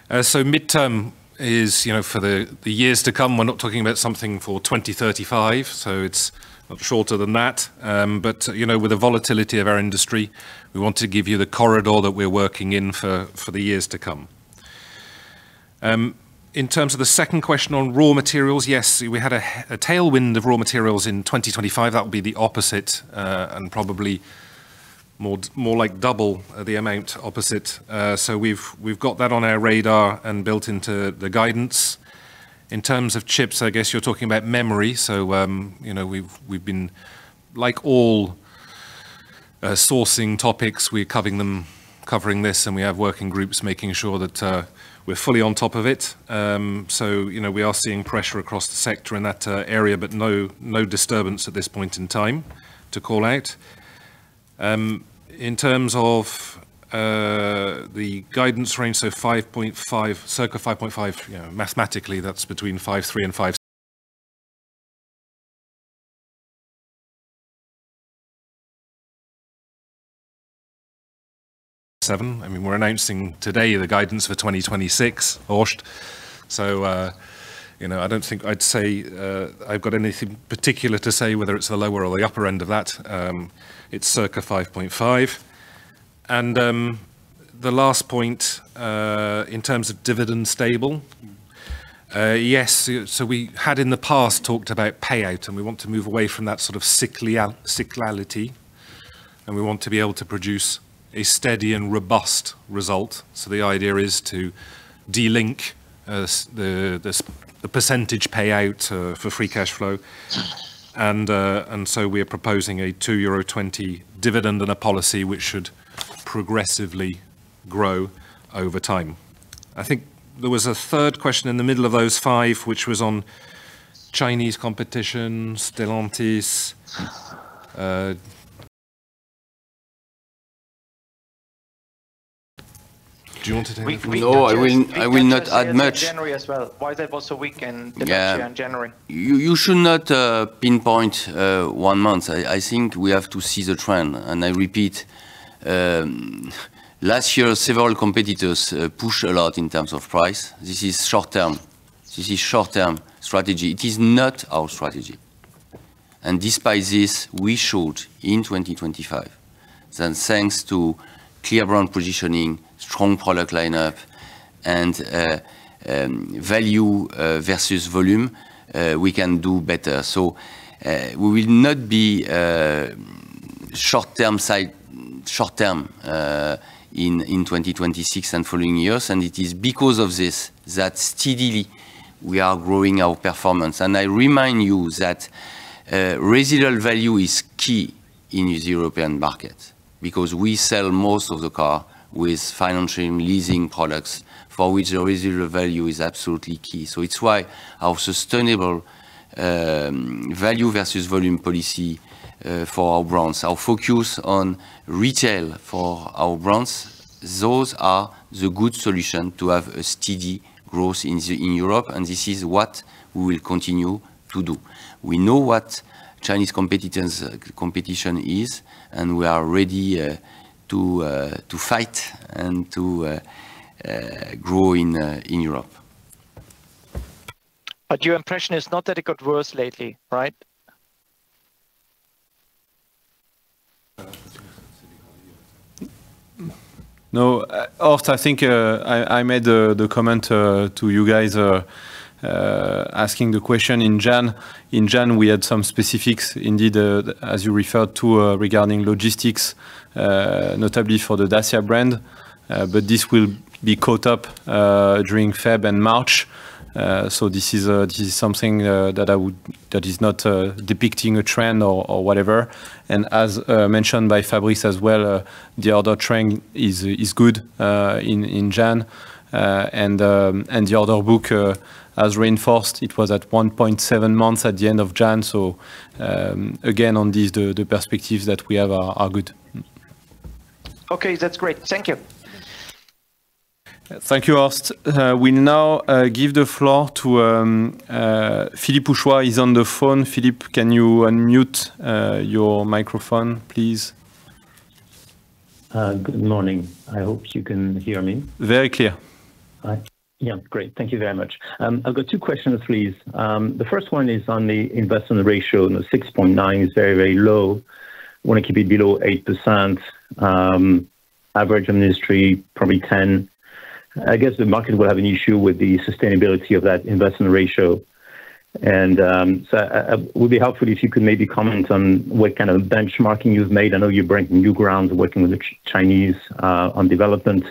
So midterm is, you know, for the years to come. We're not talking about something for 2035, so it's shorter than that. But, you know, with the volatility of our industry, we want to give you the corridor that we're working in for the years to come.... In terms of the second question on raw materials, yes, we had a tailwind of raw materials in 2025. That would be the opposite, and probably more like double the amount opposite. So we've got that on our radar and built into the guidance. In terms of chips, I guess you're talking about memory. So, you know, we've been, like all sourcing topics, we're covering them - covering this, and we have working groups making sure that we're fully on top of it. So, you know, we are seeing pressure across the sector in that area, but no disturbance at this point in time to call out. In terms of the guidance range, so 5.5, circa 5.5, you know, mathematically, that's between 5.3 and 5.7. I mean, we're announcing today the guidance for 2026. So, you know, I don't think I'd say I've got anything particular to say whether it's the lower or the upper end of that. It's circa 5.5. And the last point in terms of dividend stable, yes, so we had in the past talked about payout, and we want to move away from that sort of cyclical, cyclicality, and we want to be able to produce a steady and robust result. So the idea is to de-link the percentage payout for free cash flow. And so we are proposing a 2.20 euro dividend and a policy which should progressively grow over time. I think there was a third question in the middle of those five, which was on Chinese competition, Stellantis. Do you want to take? No, I will not add much. January as well. Why that was so weak in- Yeah -January? You should not pinpoint one month. I think we have to see the trend. And I repeat, last year, several competitors pushed a lot in terms of price. This is short term. This is short-term strategy. It is not our strategy. And despite this, we showed in 2025 that thanks to clear brand positioning, strong product lineup, and value versus volume we can do better. So, we will not be short term cycle, short term, in 2026 and following years, and it is because of this that steadily we are growing our performance. And I remind you that residual value is key in the European market because we sell most of the car with financial and leasing products, for which the residual value is absolutely key. So it's why our sustainable value versus volume policy for our brands, our focus on retail for our brands, those are the good solution to have a steady growth in Europe, and this is what we will continue to do. We know what Chinese competitors, competition is, and we are ready to fight and to grow in Europe. But your impression is not that it got worse lately, right? No, Ost, I think I made the comment to you guys asking the question in January. In January, we had some specifics, indeed, as you referred to, regarding logistics, notably for the Dacia brand, but this will be caught up during February and March. So this is something that is not depicting a trend or whatever. And as mentioned by Fabrice as well, the order trend is good in January. And the order book, as reinforced, it was at 1.7 months at the end of January. So, again, on these, the perspectives that we have are good. Okay, that's great. Thank you. Thank you, host. We now give the floor to Philippe Houchois, who is on the phone. Philippe, can you unmute your microphone, please? Good morning. I hope you can hear me. Very clear. All right. Yeah, great. Thank you very much. I've got two questions, please. The first one is on the investment ratio, and the 6.9 is very, very low. Want to keep it below 8%, average industry, probably 10. I guess the market will have an issue with the sustainability of that investment ratio. And, so, it would be helpful if you could maybe comment on what kind of benchmarking you've made. I know you're breaking new ground working with the Chinese, on development,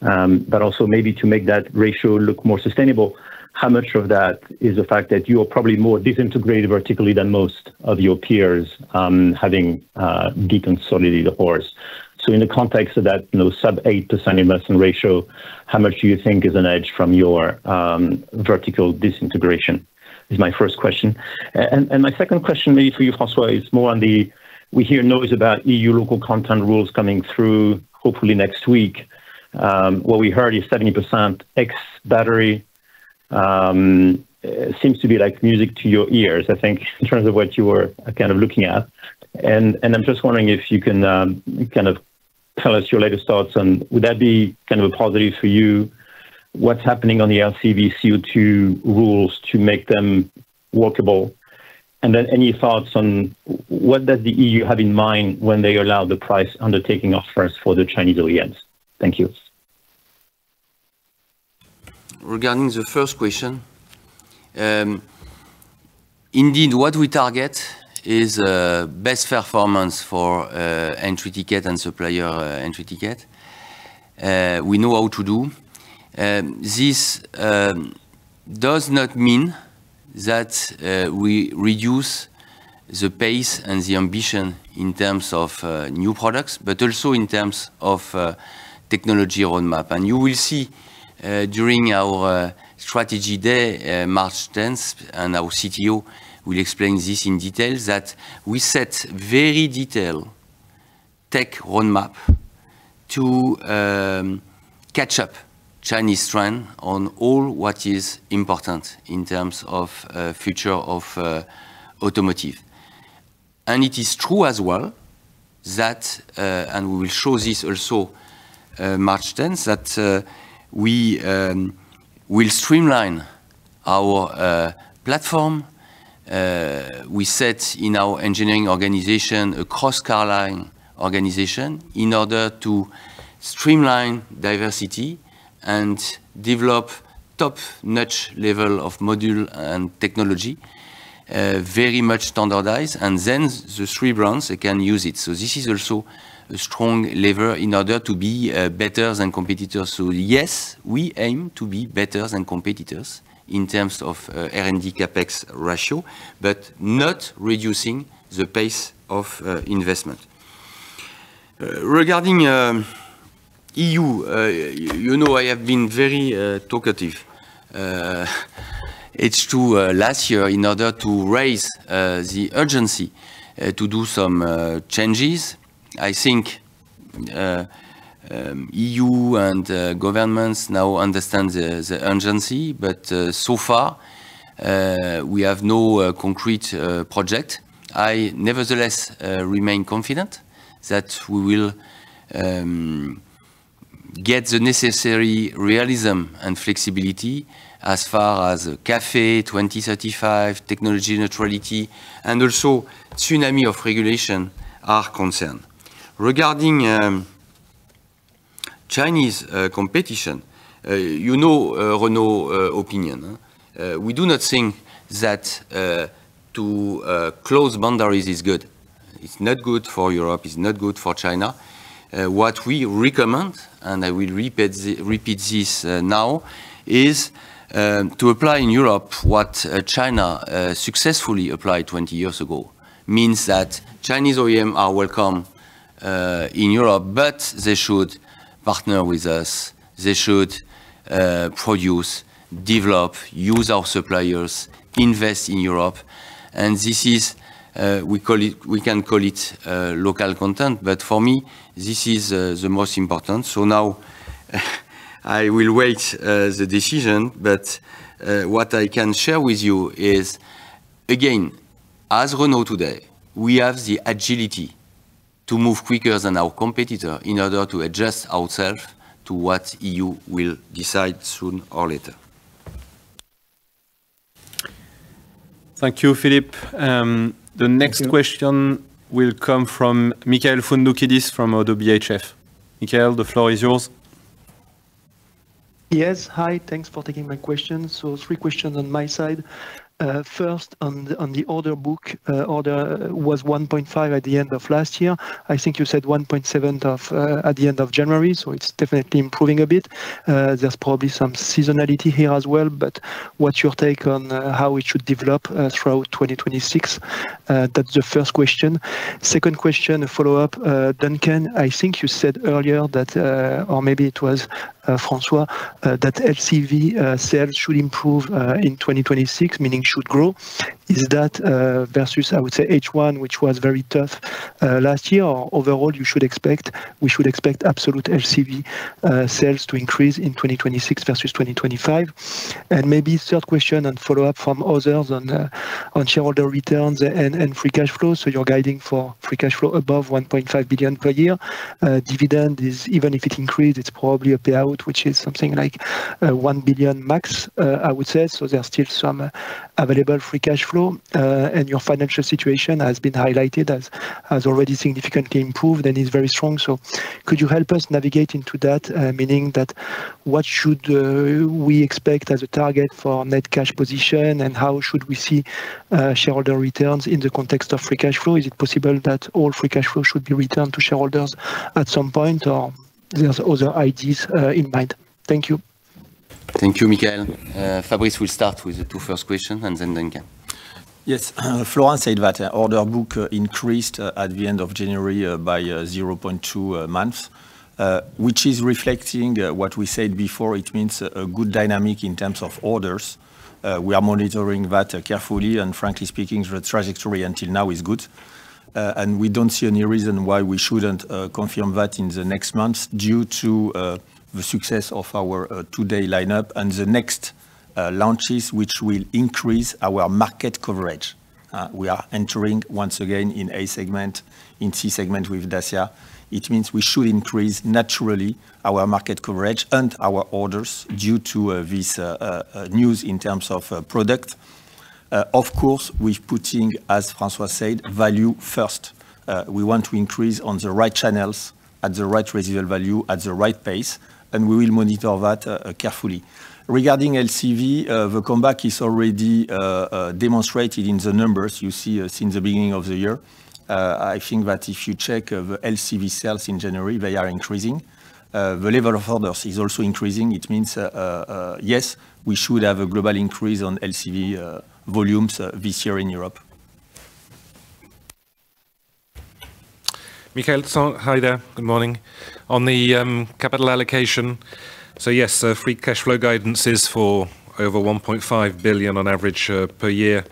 but also maybe to make that ratio look more sustainable, how much of that is the fact that you are probably more disintegrated vertically than most of your peers, having deconsolidated the horse? So in the context of that, you know, sub 8% investment ratio, how much do you think is an edge from your vertical disintegration? That's my first question. And my second question, maybe for you, François, is more on the, we hear noise about EU local content rules coming through, hopefully next week. What we heard is 70% ex-battery seems to be like music to your ears, I think, in terms of what you were kind of looking at. And I'm just wondering if you can kind of tell us your latest thoughts on would that be kind of a positive for you? What's happening on the LCV CO2 rules to make them workable?... And then any thoughts on what does the EU have in mind when they allow the price undertaking offers for the Chinese OEMs? Thank you. Regarding the first question, indeed, what we target is best performance for entry ticket and supplier entry ticket. We know how to do. This does not mean that we reduce the pace and the ambition in terms of new products, but also in terms of technology roadmap. And you will see during our strategy day, March tenth, and our CTO will explain this in detail, that we set very detailed tech roadmap to catch up Chinese trend on all what is important in terms of future of automotive. And it is true as well that and we will show this also March tenth, that we will streamline our platform. We set in our engineering organization, a cross-car line organization, in order to streamline diversity and develop top-notch level of module and technology, very much standardized, and then the three brands can use it. So this is also a strong lever in order to be better than competitors. So yes, we aim to be better than competitors in terms of R&D CapEx ratio, but not reducing the pace of investment. Regarding EU, you know, I have been very talkative. It's true, last year, in order to raise the urgency to do some changes, I think EU and governments now understand the urgency, but so far, we have no concrete project. I nevertheless remain confident that we will get the necessary realism and flexibility as far as CAFE 2035, technology neutrality, and also tsunami of regulation are concerned. Regarding Chinese competition, you know, Renault opinion, huh? We do not think that to close boundaries is good. It's not good for Europe, it's not good for China. What we recommend, and I will repeat this now, is to apply in Europe what China successfully applied 20 years ago. Means that Chinese OEM are welcome in Europe, but they should partner with us. They should produce, develop, use our suppliers, invest in Europe, and this is, we call it - we can call it local content, but for me, this is the most important. So now, I will wait for the decision, but what I can share with you is, again, as Renault today, we have the agility to move quicker than our competitor in order to adjust ourselves to what EU will decide sooner or later. Thank you, Philippe. The next question- Thank you. Will come from Michael Foundoukidis from ODDO BHF. Michael, the floor is yours. Yes. Hi, thanks for taking my question. Three questions on my side. First, on the order book, order was 1.5 at the end of last year. I think you said 1.7 at the end of January, so it's definitely improving a bit. There's probably some seasonality here as well, but what's your take on how it should develop throughout 2026? That's the first question. Second question, a follow-up. Duncan, I think you said earlier that, or maybe it was François, that LCV sales should improve in 2026, meaning should grow. Is that versus, I would say, H1, which was very tough last year, or overall, we should expect absolute LCV sales to increase in 2026 versus 2025? Maybe third question and follow-up from others on, on shareholder returns and, and free cash flow. So you're guiding for free cash flow above 1.5 billion per year. Dividend is, even if it increased, it's probably a payout, which is something like, 1 billion max, I would say, so there are still some available free cash flow. And your financial situation has been highlighted as, as already significantly improved and is very strong. So could you help us navigate into that? Meaning that what should, we expect as a target for net cash position, and how should we see, shareholder returns in the context of free cash flow? Is it possible that all free cash flow should be returned to shareholders at some point, or there's other ideas, in mind? Thank you. Thank you, Michael. Fabrice, we'll start with the two first question, and then Duncan. Yes, Florent said that order book increased at the end of January by 0.2 months, which is reflecting what we said before. It means a good dynamic in terms of orders. We are monitoring that carefully, and frankly speaking, the trajectory until now is good. We don't see any reason why we shouldn't confirm that in the next months, due to the success of our today lineup and the next launches, which will increase our market coverage. We are entering once again in A segment, in C segment with Dacia. It means we should increase naturally our market coverage and our orders due to this news in terms of product.... Of course, we're putting, as François said, value first. We want to increase on the right channels, at the right residual value, at the right pace, and we will monitor that carefully. Regarding LCV, the comeback is already demonstrated in the numbers you see since the beginning of the year. I think that if you check LCV sales in January, they are increasing. The level of orders is also increasing. It means, yes, we should have a global increase on LCV volumes this year in Europe. Michael, so hi there. Good morning. On the, capital allocation, so yes, free cash flow guidance is for over 1.5 billion on average, per year.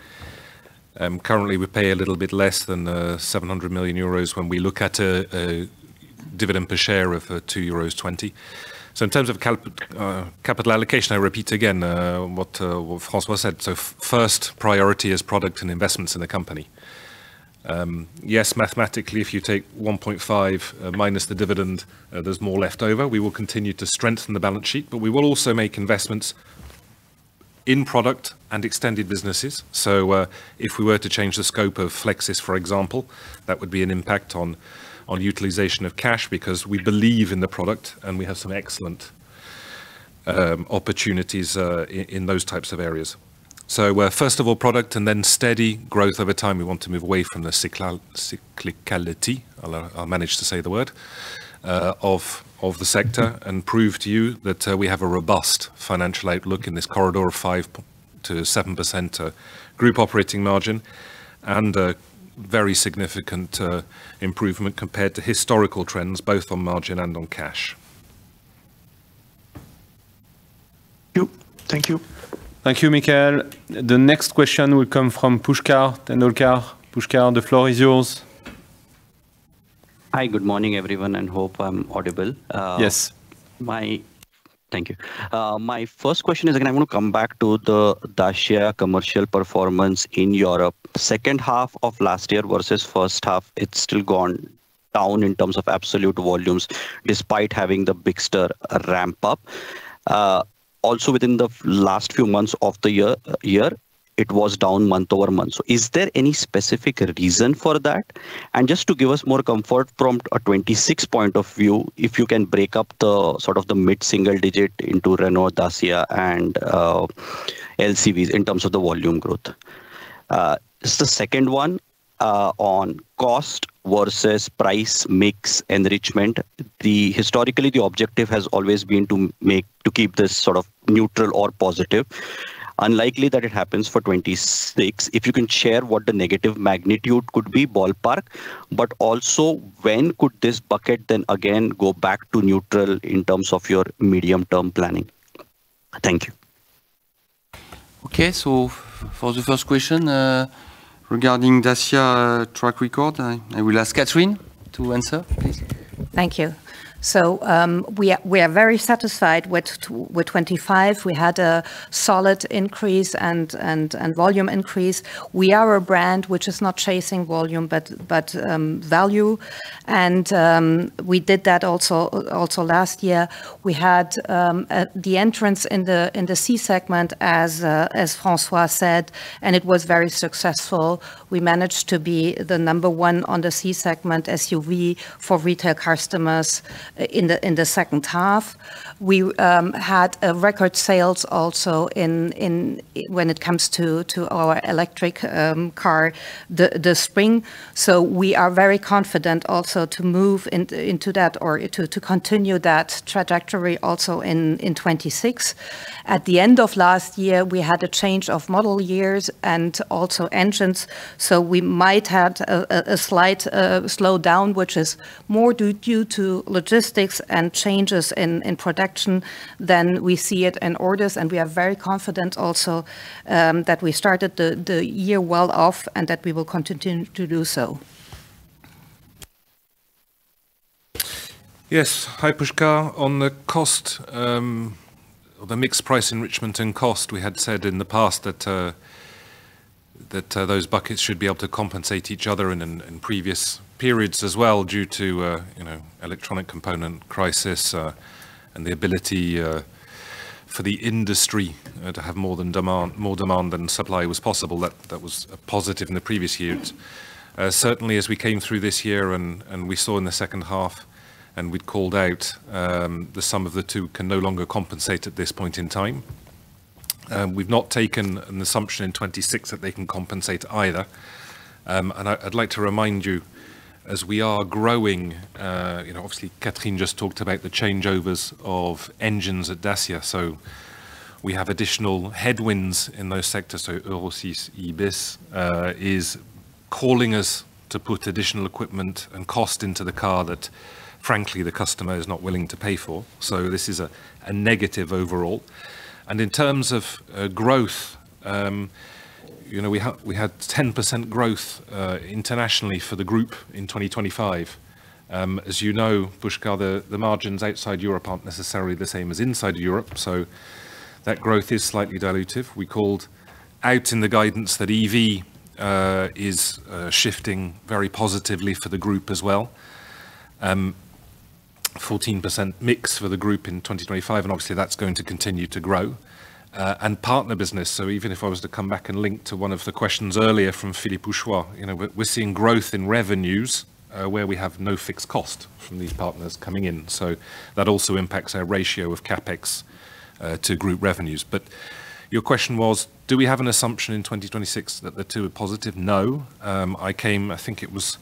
Currently, we pay a little bit less than, 700 million euros when we look at a, a dividend per share of, 2.20 euros. So in terms of capital allocation, I repeat again, what, François said. So first priority is product and investments in the company. Yes, mathematically, if you take 1.5, minus the dividend, there's more left over. We will continue to strengthen the balance sheet, but we will also make investments in product and extended businesses. If we were to change the scope of Flexis, for example, that would be an impact on utilization of cash, because we believe in the product, and we have some excellent opportunities in those types of areas. First of all, product, and then steady growth over time. We want to move away from the cyclicality. I'll manage to say the word of the sector, and prove to you that we have a robust financial outlook in this corridor of 5%-7% group operating margin, and a very significant improvement compared to historical trends, both on margin and on cash. Thank you. Thank you. Thank you, Michael. The next question will come from Pushkar Tanulkar. Pushkar, the floor is yours. Hi, good morning, everyone, and hope I'm audible. Yes. Thank you. My first question is, again, I want to come back to the Dacia commercial performance in Europe. Second half of last year versus first half, it's still gone down in terms of absolute volumes, despite having the Bigster ramp up. Also within the last few months of the year, it was down month-over-month. So is there any specific reason for that? And just to give us more comfort from a 2026 point of view, if you can break up the sort of the mid-single digit into Renault, Dacia and LCVs in terms of the volume growth. Just the second one on cost versus price mix enrichment. Historically, the objective has always been to make, to keep this sort of neutral or positive. Unlikely that it happens for 2026. If you can share what the negative magnitude could be, ballpark, but also, when could this bucket then again go back to neutral in terms of your medium-term planning? Thank you. Okay, so for the first question, regarding Dacia track record, I will ask Catherine to answer, please. Thank you. So, we are very satisfied with 25. We had a solid increase and volume increase. We are a brand which is not chasing volume, but value, and we did that also last year. We had the entrance in the C-segment as François said, and it was very successful. We managed to be the number one on the C-segment SUV for retail customers in the second half. We had record sales also in when it comes to our electric car, the Spring. So we are very confident also to move into that or to continue that trajectory also in 2026. At the end of last year, we had a change of model years and also engines, so we might have a slight slowdown, which is more due to logistics and changes in production than we see it in orders. And we are very confident also that we started the year well off, and that we will continue to do so. Yes. Hi, Pushkar. On the cost, or the mix price enrichment and cost, we had said in the past that those buckets should be able to compensate each other in previous periods as well, due to you know, electronic component crisis, and the ability for the industry to have more demand than supply was possible. That was a positive in the previous years. Certainly, as we came through this year and we saw in the second half, and we'd called out, the sum of the two can no longer compensate at this point in time. We've not taken an assumption in 2026 that they can compensate either. I'd like to remind you, as we are growing, you know, obviously, Catherine just talked about the changeovers of engines at Dacia, so we have additional headwinds in those sectors. So Euro 6e-bis is calling us to put additional equipment and cost into the car that, frankly, the customer is not willing to pay for. So this is a negative overall. And in terms of growth, you know, we had 10% growth internationally for the group in 2025. As you know, Pushkar, the margins outside Europe aren't necessarily the same as inside Europe, so that growth is slightly dilutive. We called out in the guidance that EV is shifting very positively for the group as well. 14% mix for the group in 2025, and obviously, that's going to continue to grow, and partner business. So even if I was to come back and link to one of the questions earlier from Philippe Houchois, you know, we're, we're seeing growth in revenues, where we have no fixed cost from these partners coming in. So that also impacts our ratio of CapEx to group revenues. But your question was, do we have an assumption in 2026 that the two are positive? No. I came, I think it was,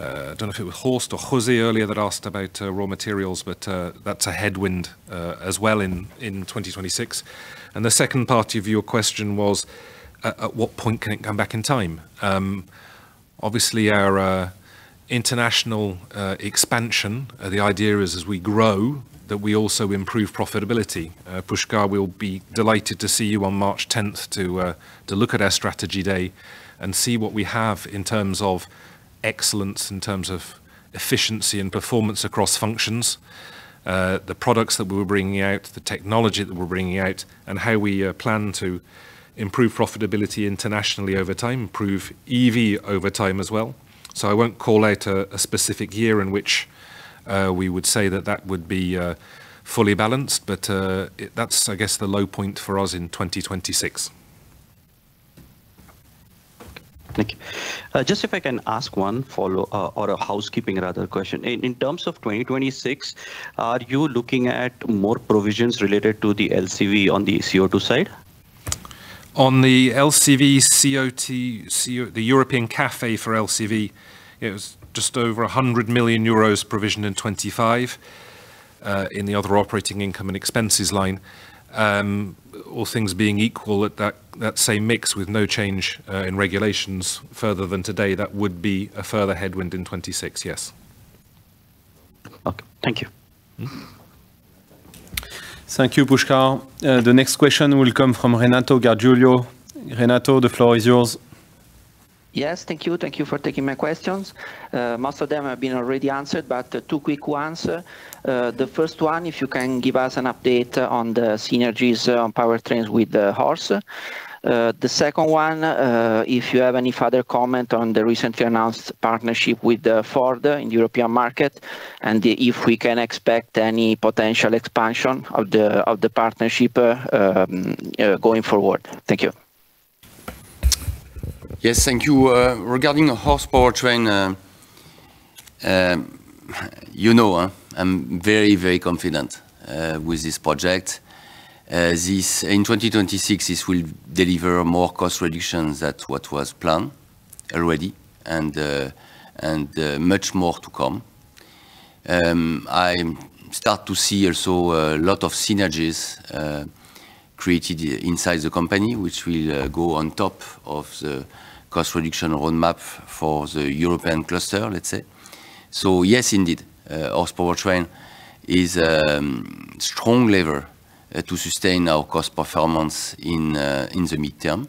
I don't know if it was Horst or Jose earlier that asked about raw materials, but that's a headwind as well in 2026. And the second part of your question was, at what point can it come back in time? Obviously, our international expansion, the idea is as we grow, that we also improve profitability. Pushkar, we'll be delighted to see you on March 10 to look at our strategy day and see what we have in terms of excellence, in terms of efficiency and performance across functions, the products that we're bringing out, the technology that we're bringing out, and how we plan to improve profitability internationally over time, improve EV over time as well. So I won't call out a specific year in which we would say that that would be fully balanced, but that's, I guess, the low point for us in 2026. Thank you. Just if I can ask one follow-up, or, or a housekeeping rather question. In terms of 2026, are you looking at more provisions related to the LCV on the CO2 side? On the LCV, the European CAFE for LCV, it was just over 100 million euros provisioned in 2025, in the other operating income and expenses line. All things being equal, at that same mix with no change in regulations further than today, that would be a further headwind in 2026, yes. Okay. Thank you. Thank you, Pushkar. The next question will come from Renato Gargiulo. Renato, the floor is yours. Yes, thank you. Thank you for taking my questions. Most of them have been already answered, but two quick ones. The first one, if you can give us an update on the synergies on powertrains with Horse. The second one, if you have any further comment on the recently announced partnership with Ford in European market, and if we can expect any potential expansion of the partnership, going forward. Thank you. Yes, thank you. Regarding the Horse Powertrain, you know, I'm very, very confident with this project. This, in 2026, this will deliver more cost reductions than what was planned already, and, and, much more to come. I start to see also a lot of synergies created inside the company, which will go on top of the cost reduction roadmap for the European cluster, let's say. So yes, indeed, Horse Powertrain is strong lever to sustain our cost performance in, in the midterm.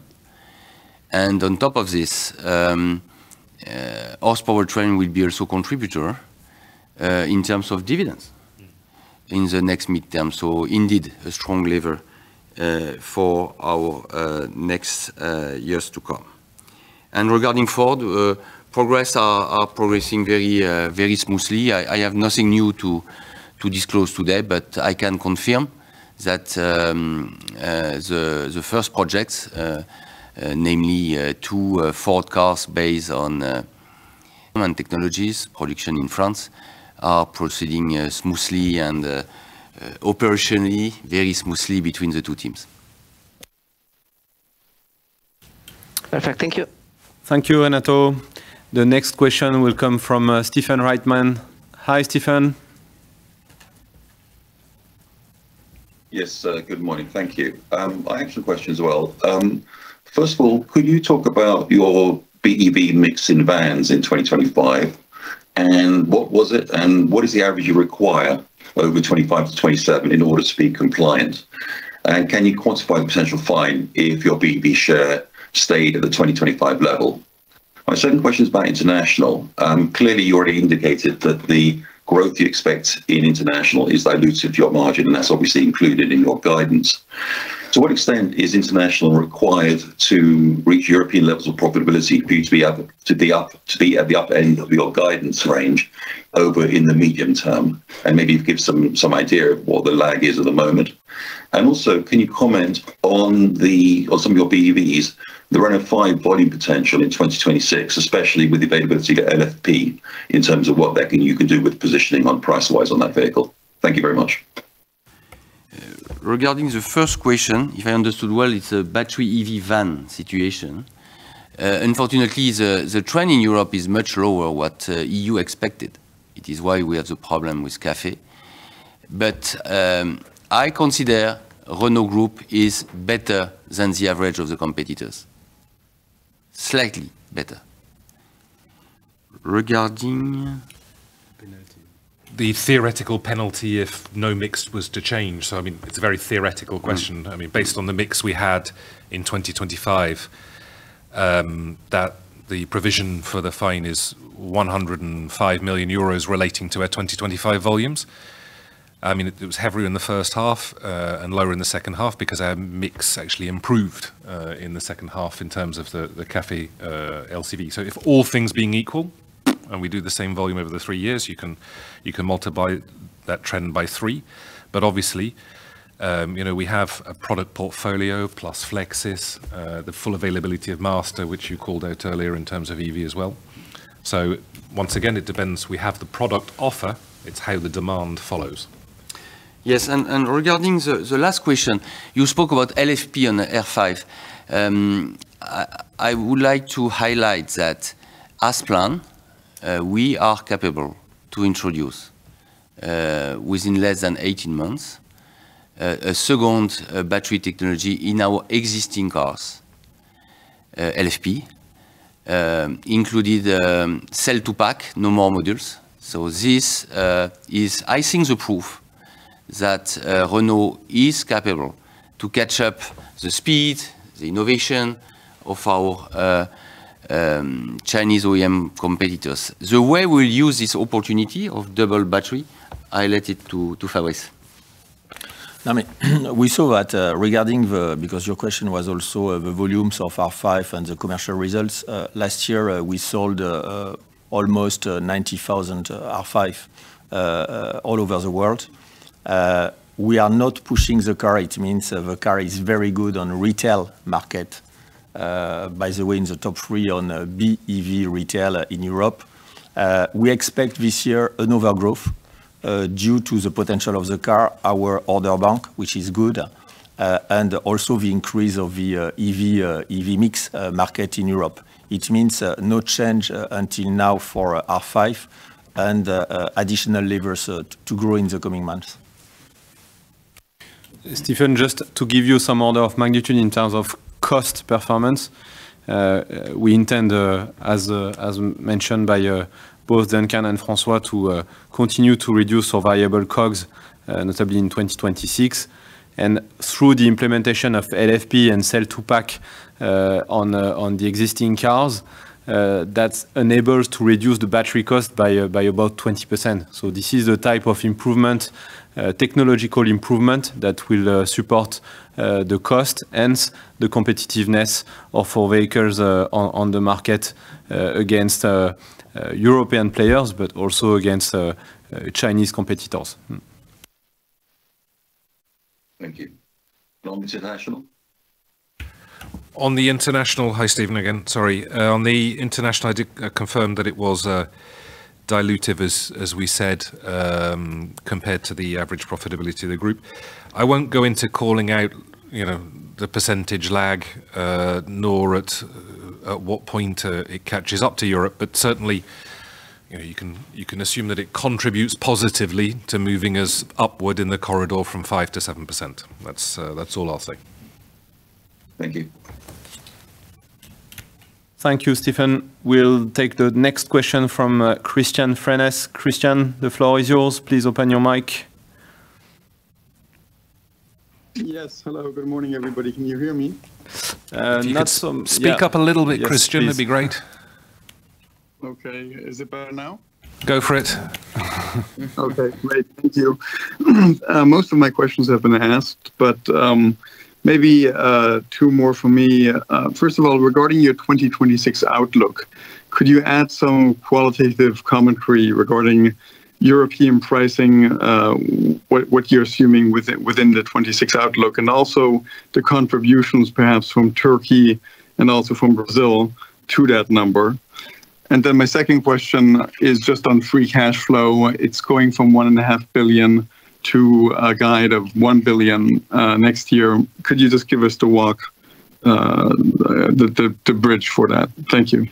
And on top of this, Horse Powertrain will be also contributor in terms of dividends- In the next midterm. Indeed, a strong lever for our next years to come. Regarding Ford, progress is progressing very smoothly. I have nothing new to disclose today, but I can confirm that the first projects, namely, two Ford cars based on human technologies, production in France, are proceeding smoothly and operationally very smoothly between the two teams. Perfect. Thank you. Thank you, Renato. The next question will come from, Stephen Reitman. Hi, Stephen. Yes, good morning. Thank you. I have two questions as well. First of all, could you talk about your BEV mix in vans in 2025, and what was it, and what is the average you require over 2025-2027 in order to be compliant? And can you quantify the potential fine if your BEV share stayed at the 2025 level? My second question is about international. Clearly, you already indicated that the growth you expect in international is dilutive to your margin, and that's obviously included in your guidance. To what extent is international required to reach European levels of profitability for you to be up, to be up, to be at the up end of your guidance range over in the medium term? And maybe give some, some idea of what the lag is at the moment. Also, can you comment on the... on some of your BEVs, the Renault 5 volume potential in 2026, especially with the availability of LFP, in terms of what that you can do with positioning on price-wise on that vehicle? Thank you very much. Regarding the first question, if I understood well, it's a battery EV van situation. Unfortunately, the trend in Europe is much lower what EU expected. It is why we have the problem with CAFE. But, I consider Renault Group is better than the average of the competitors. Slightly better. Regarding penalty- The theoretical penalty if no mix was to change. So I mean, it's a very theoretical question. Mm-hmm. I mean, based on the mix we had in 2025, that the provision for the fine is 105 million euros relating to our 2025 volumes. I mean, it, it was heavier in the first half, and lower in the second half because our mix actually improved, in the second half in terms of the, the CAFE, LCV. So if all things being equal, and we do the same volume over the three years, you can, you can multiply that trend by three. But obviously, you know, we have a product portfolio plus Flexis, the full availability of Master, which you called out earlier in terms of EV as well. So once again, it depends. We have the product offer, it's how the demand follows. Yes, regarding the last question, you spoke about LFP and R5. I would like to highlight that as planned, we are capable to introduce, within less than 18 months, a second battery technology in our existing cars. LFP, including the cell to pack, no more modules. So this is, I think, the proof that, Renault is capable to catch up the speed, the innovation of our Chinese OEM competitors. The way we use this opportunity of double battery, I leave it to Fabrice. I mean, we saw that regarding the... Because your question was also the volumes of R5 and the commercial results. Last year, we sold almost 90,000 R5 all over the world. We are not pushing the car. It means the car is very good on retail market. By the way, in the top three on BEV retail in Europe. We expect this year another growth due to the potential of the car, our order bank, which is good, and also the increase of the EV mix market in Europe. It means no change until now for R5 and additional levers to grow in the coming months. Stephen, just to give you some order of magnitude in terms of cost performance, we intend, as, as mentioned by both Duncan and François, to continue to reduce our variable costs, notably in 2026. Through the implementation of LFP and cell to pack on the existing cars, that enables to reduce the battery cost by about 20%. This is the type of improvement, technological improvement that will support the cost, hence the competitiveness of our vehicles on the market against European players, but also against Chinese competitors. Thank you. Go international. On the international—Hi, Stephen, again, sorry. On the international, I did confirm that it was dilutive, as we said, compared to the average profitability of the group. I won't go into calling out, you know, the percentage lag, nor at what point it catches up to Europe. But certainly, you know, you can assume that it contributes positively to moving us upward in the corridor from 5%-7%. That's all I'll say. Thank you. Thank you, Stephen. We'll take the next question from Christian Ludwig. Christian, the floor is yours. Please open your mic. Yes. Hello. Good morning, everybody. Can you hear me? Not so- Speak up a little bit, Christian- Yes, please. that'd be great. Okay. Is it better now? Go for it. Okay, great. Thank you. Most of my questions have been asked, but, maybe, two more from me. First of all, regarding your 2026 outlook, could you add some qualitative commentary regarding European pricing, what you're assuming within the 2026 outlook, and also the contributions perhaps from Turkey and also from Brazil to that number? And then my second question is just on free cash flow. It's going from 1.5 billion to a guide of 1 billion, next year. Could you just give us the walk, the bridge for that? Thank you.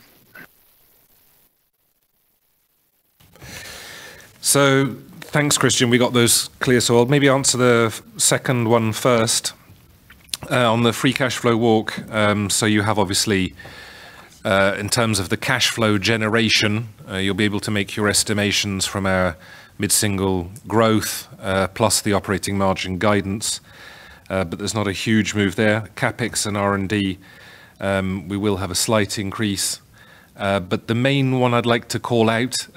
So thanks, Christian. We got those clear. So I'll maybe answer the second one first, on the free cash flow walk. So you have obviously, in terms of the cash flow generation, you'll be able to make your estimations from our mid-single growth, plus the operating margin guidance, but there's not a huge move there. CapEx and R&D, we will have a slight increase, but the main one I'd like to call out,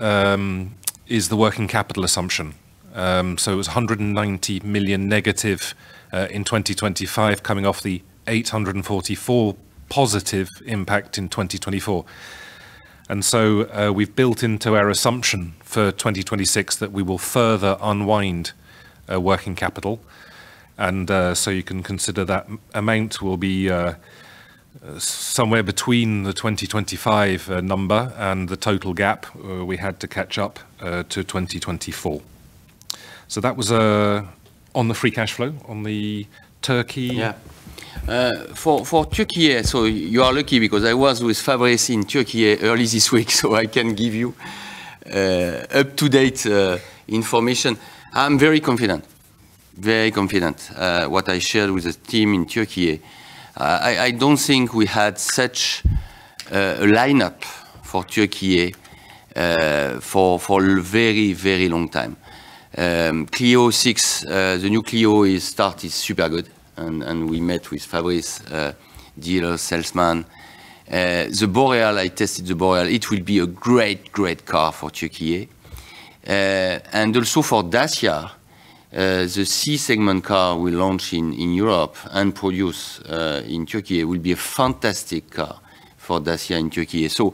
is the working capital assumption. So it was 190 million negative, in 2025, coming off the 844 million positive impact in 2024. And so, we've built into our assumption for 2026 that we will further unwind, working capital. So you can consider that amount will be somewhere between the 2025 number and the total gap we had to catch up to 2024. So that was on the free cash flow. On the Turkey- Yeah. For Turkey, so you are lucky because I was with Fabrice in Turkey early this week, so I can give you up-to-date information. I'm very confident, very confident what I shared with the team in Turkey. I don't think we had such lineup for Turkey for a very, very long time. Clio 6, the new Clio is start is super good, and we met with Fabrice dealer, salesman. The Boreal, I tested the Boreal. It will be a great, great car for Turkey. And also for Dacia-... the C segment car we launch in Europe and produce in Turkey will be a fantastic car for Dacia in Turkey. So,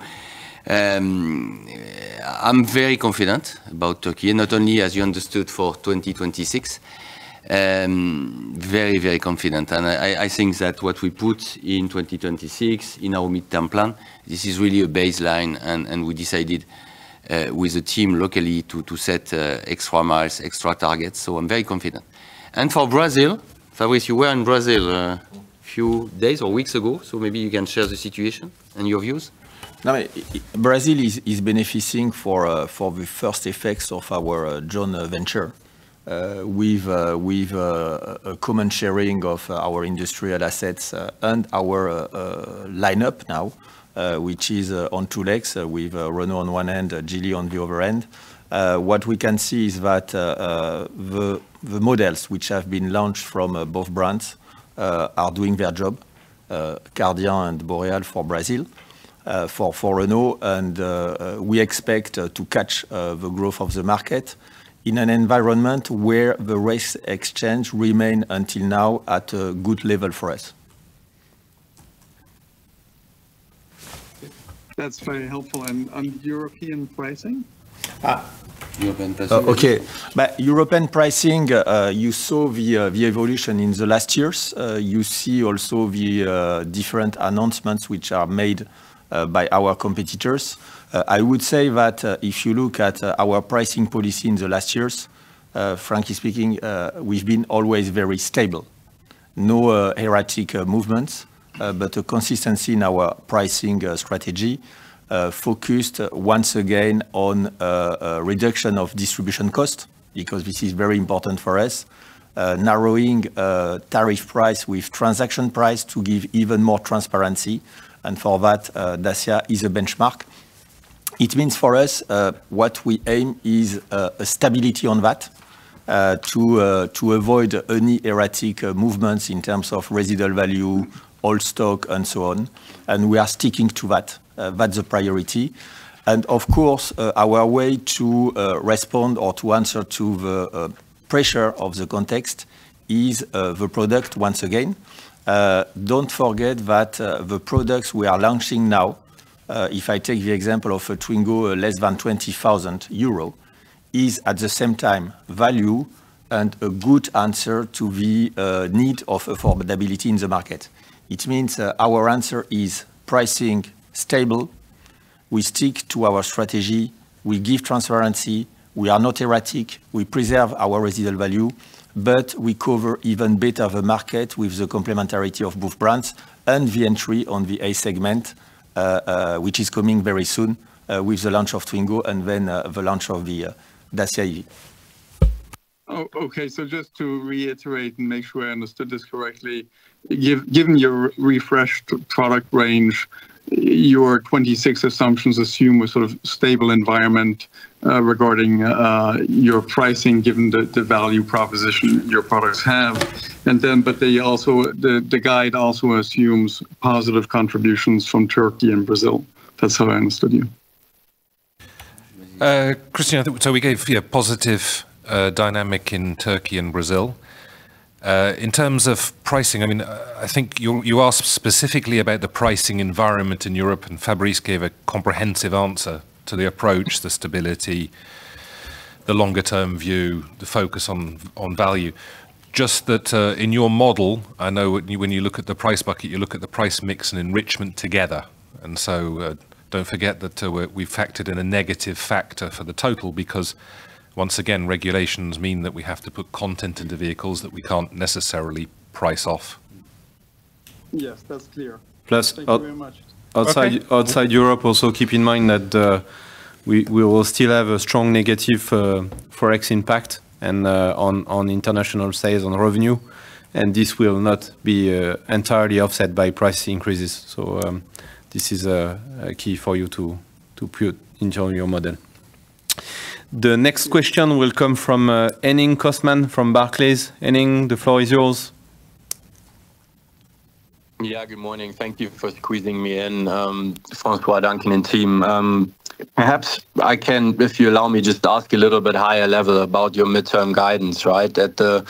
I'm very confident about Turkey, not only, as you understood, for 2026. Very, very confident. I think that what we put in 2026, in our midterm plan, this is really a baseline, and we decided with the team locally to set extra miles, extra targets. So I'm very confident. For Brazil, Fabrice, you were in Brazil a few days or weeks ago, so maybe you can share the situation and your views. Now, Brazil is benefiting for the first effects of our joint venture. With a common sharing of our industrial assets and our lineup now, which is on two legs. With Renault on one end, Geely on the other end. What we can see is that the models which have been launched from both brands are doing their job. Kardian and Boreas for Brazil, for Renault and we expect to catch the growth of the market in an environment where the exchange rate remains until now at a good level for us. That's very helpful. And, on European pricing? Ah! European pricing. Okay. But European pricing, you saw the evolution in the last years. You see also the different announcements which are made by our competitors. I would say that, if you look at our pricing policy in the last years, frankly speaking, we've been always very stable. No erratic movements, but a consistency in our pricing strategy. Focused once again on a reduction of distribution cost, because this is very important for us. Narrowing tariff price with transaction price to give even more transparency, and for that, Dacia is a benchmark. It means for us, what we aim is a stability on that, to avoid any erratic movements in terms of residual value, all stock, and so on. We are sticking to that. That's the priority. And of course, our way to respond or to answer to the pressure of the context is the product once again. Don't forget that the products we are launching now, if I take the example of a Twingo, less than 20,000 euro, is at the same time value and a good answer to the need of affordability in the market. It means our answer is pricing stable. We stick to our strategy, we give transparency, we are not erratic, we preserve our residual value, but we cover even better the market with the complementarity of both brands and the entry on the A segment, which is coming very soon, with the launch of Twingo and then the launch of the Dacia. Oh, okay, so just to reiterate and make sure I understood this correctly, given your refreshed product range, your 26 assumptions assume a sort of stable environment regarding your pricing, given the value proposition your products have. And then, but they also... The guide also assumes positive contributions from Turkey and Brazil. That's how I understood you. Christian, so we gave, yeah, positive dynamic in Turkey and Brazil. In terms of pricing, I mean, I think you, you asked specifically about the pricing environment in Europe, and Fabrice gave a comprehensive answer to the approach, the stability, the longer term view, the focus on, on value. Just that, in your model, I know when you, when you look at the price bucket, you look at the price mix and enrichment together, and so, don't forget that, we've factored in a negative factor for the total, because, once again, regulations mean that we have to put content in the vehicles that we can't necessarily price off. Yes, that's clear. Plus- Thank you very much. Outside Europe, also, keep in mind that we will still have a strong negative Forex impact on international sales and revenue, and this will not be entirely offset by price increases. So, this is a key for you to put into your model. The next question will come from Henning Cosman from Barclays. Henning, the floor is yours. Yeah, good morning. Thank you for squeezing me in, François, Duncan and team. Perhaps I can, if you allow me, just ask a little bit higher level about your midterm guidance, right? At the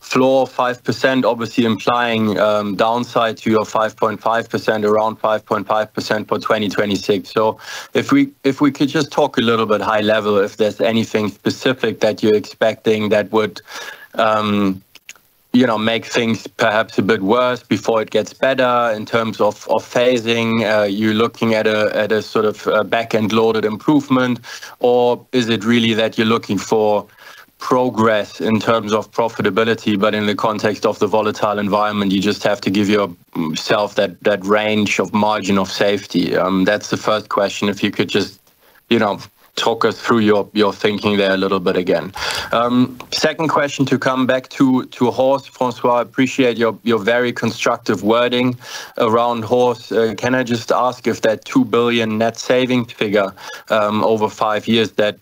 floor, 5% obviously implying downside to your 5.5%, around 5.5% for 2026. So if we, if we could just talk a little bit high level, if there's anything specific that you're expecting that would, you know, make things perhaps a bit worse before it gets better in terms of, of phasing? You're looking at a, at a sort of a back-end loaded improvement, or is it really that you're looking for progress in terms of profitability, but in the context of the volatile environment, you just have to give yourself that, that range of margin of safety? That's the first question. If you could just, you know, talk us through your thinking there a little bit again. Second question, to come back to Horse, François, I appreciate your very constructive wording around Horse. Can I just ask if that 2 billion net saving figure over five years that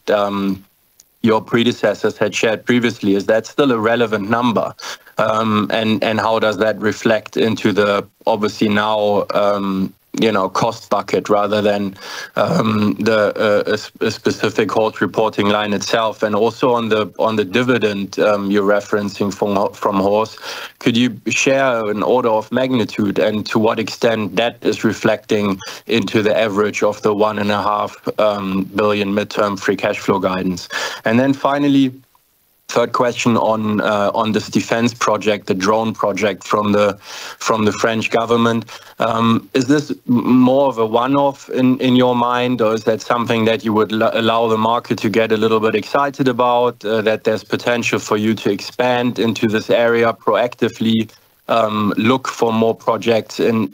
your predecessors had shared previously, is that still a relevant number? And how does that reflect into the obviously now, you know, cost bucket rather than a specific Horse reporting line itself? And also on the dividend you're referencing from Horse, could you share an order of magnitude, and to what extent that is reflecting into the average of the 1.5 billion midterm free cash flow guidance? Then finally, third question on this defense project, the drone project from the French government. Is this more of a one-off in your mind, or is that something that you would allow the market to get a little bit excited about, that there's potential for you to expand into this area proactively, look for more projects in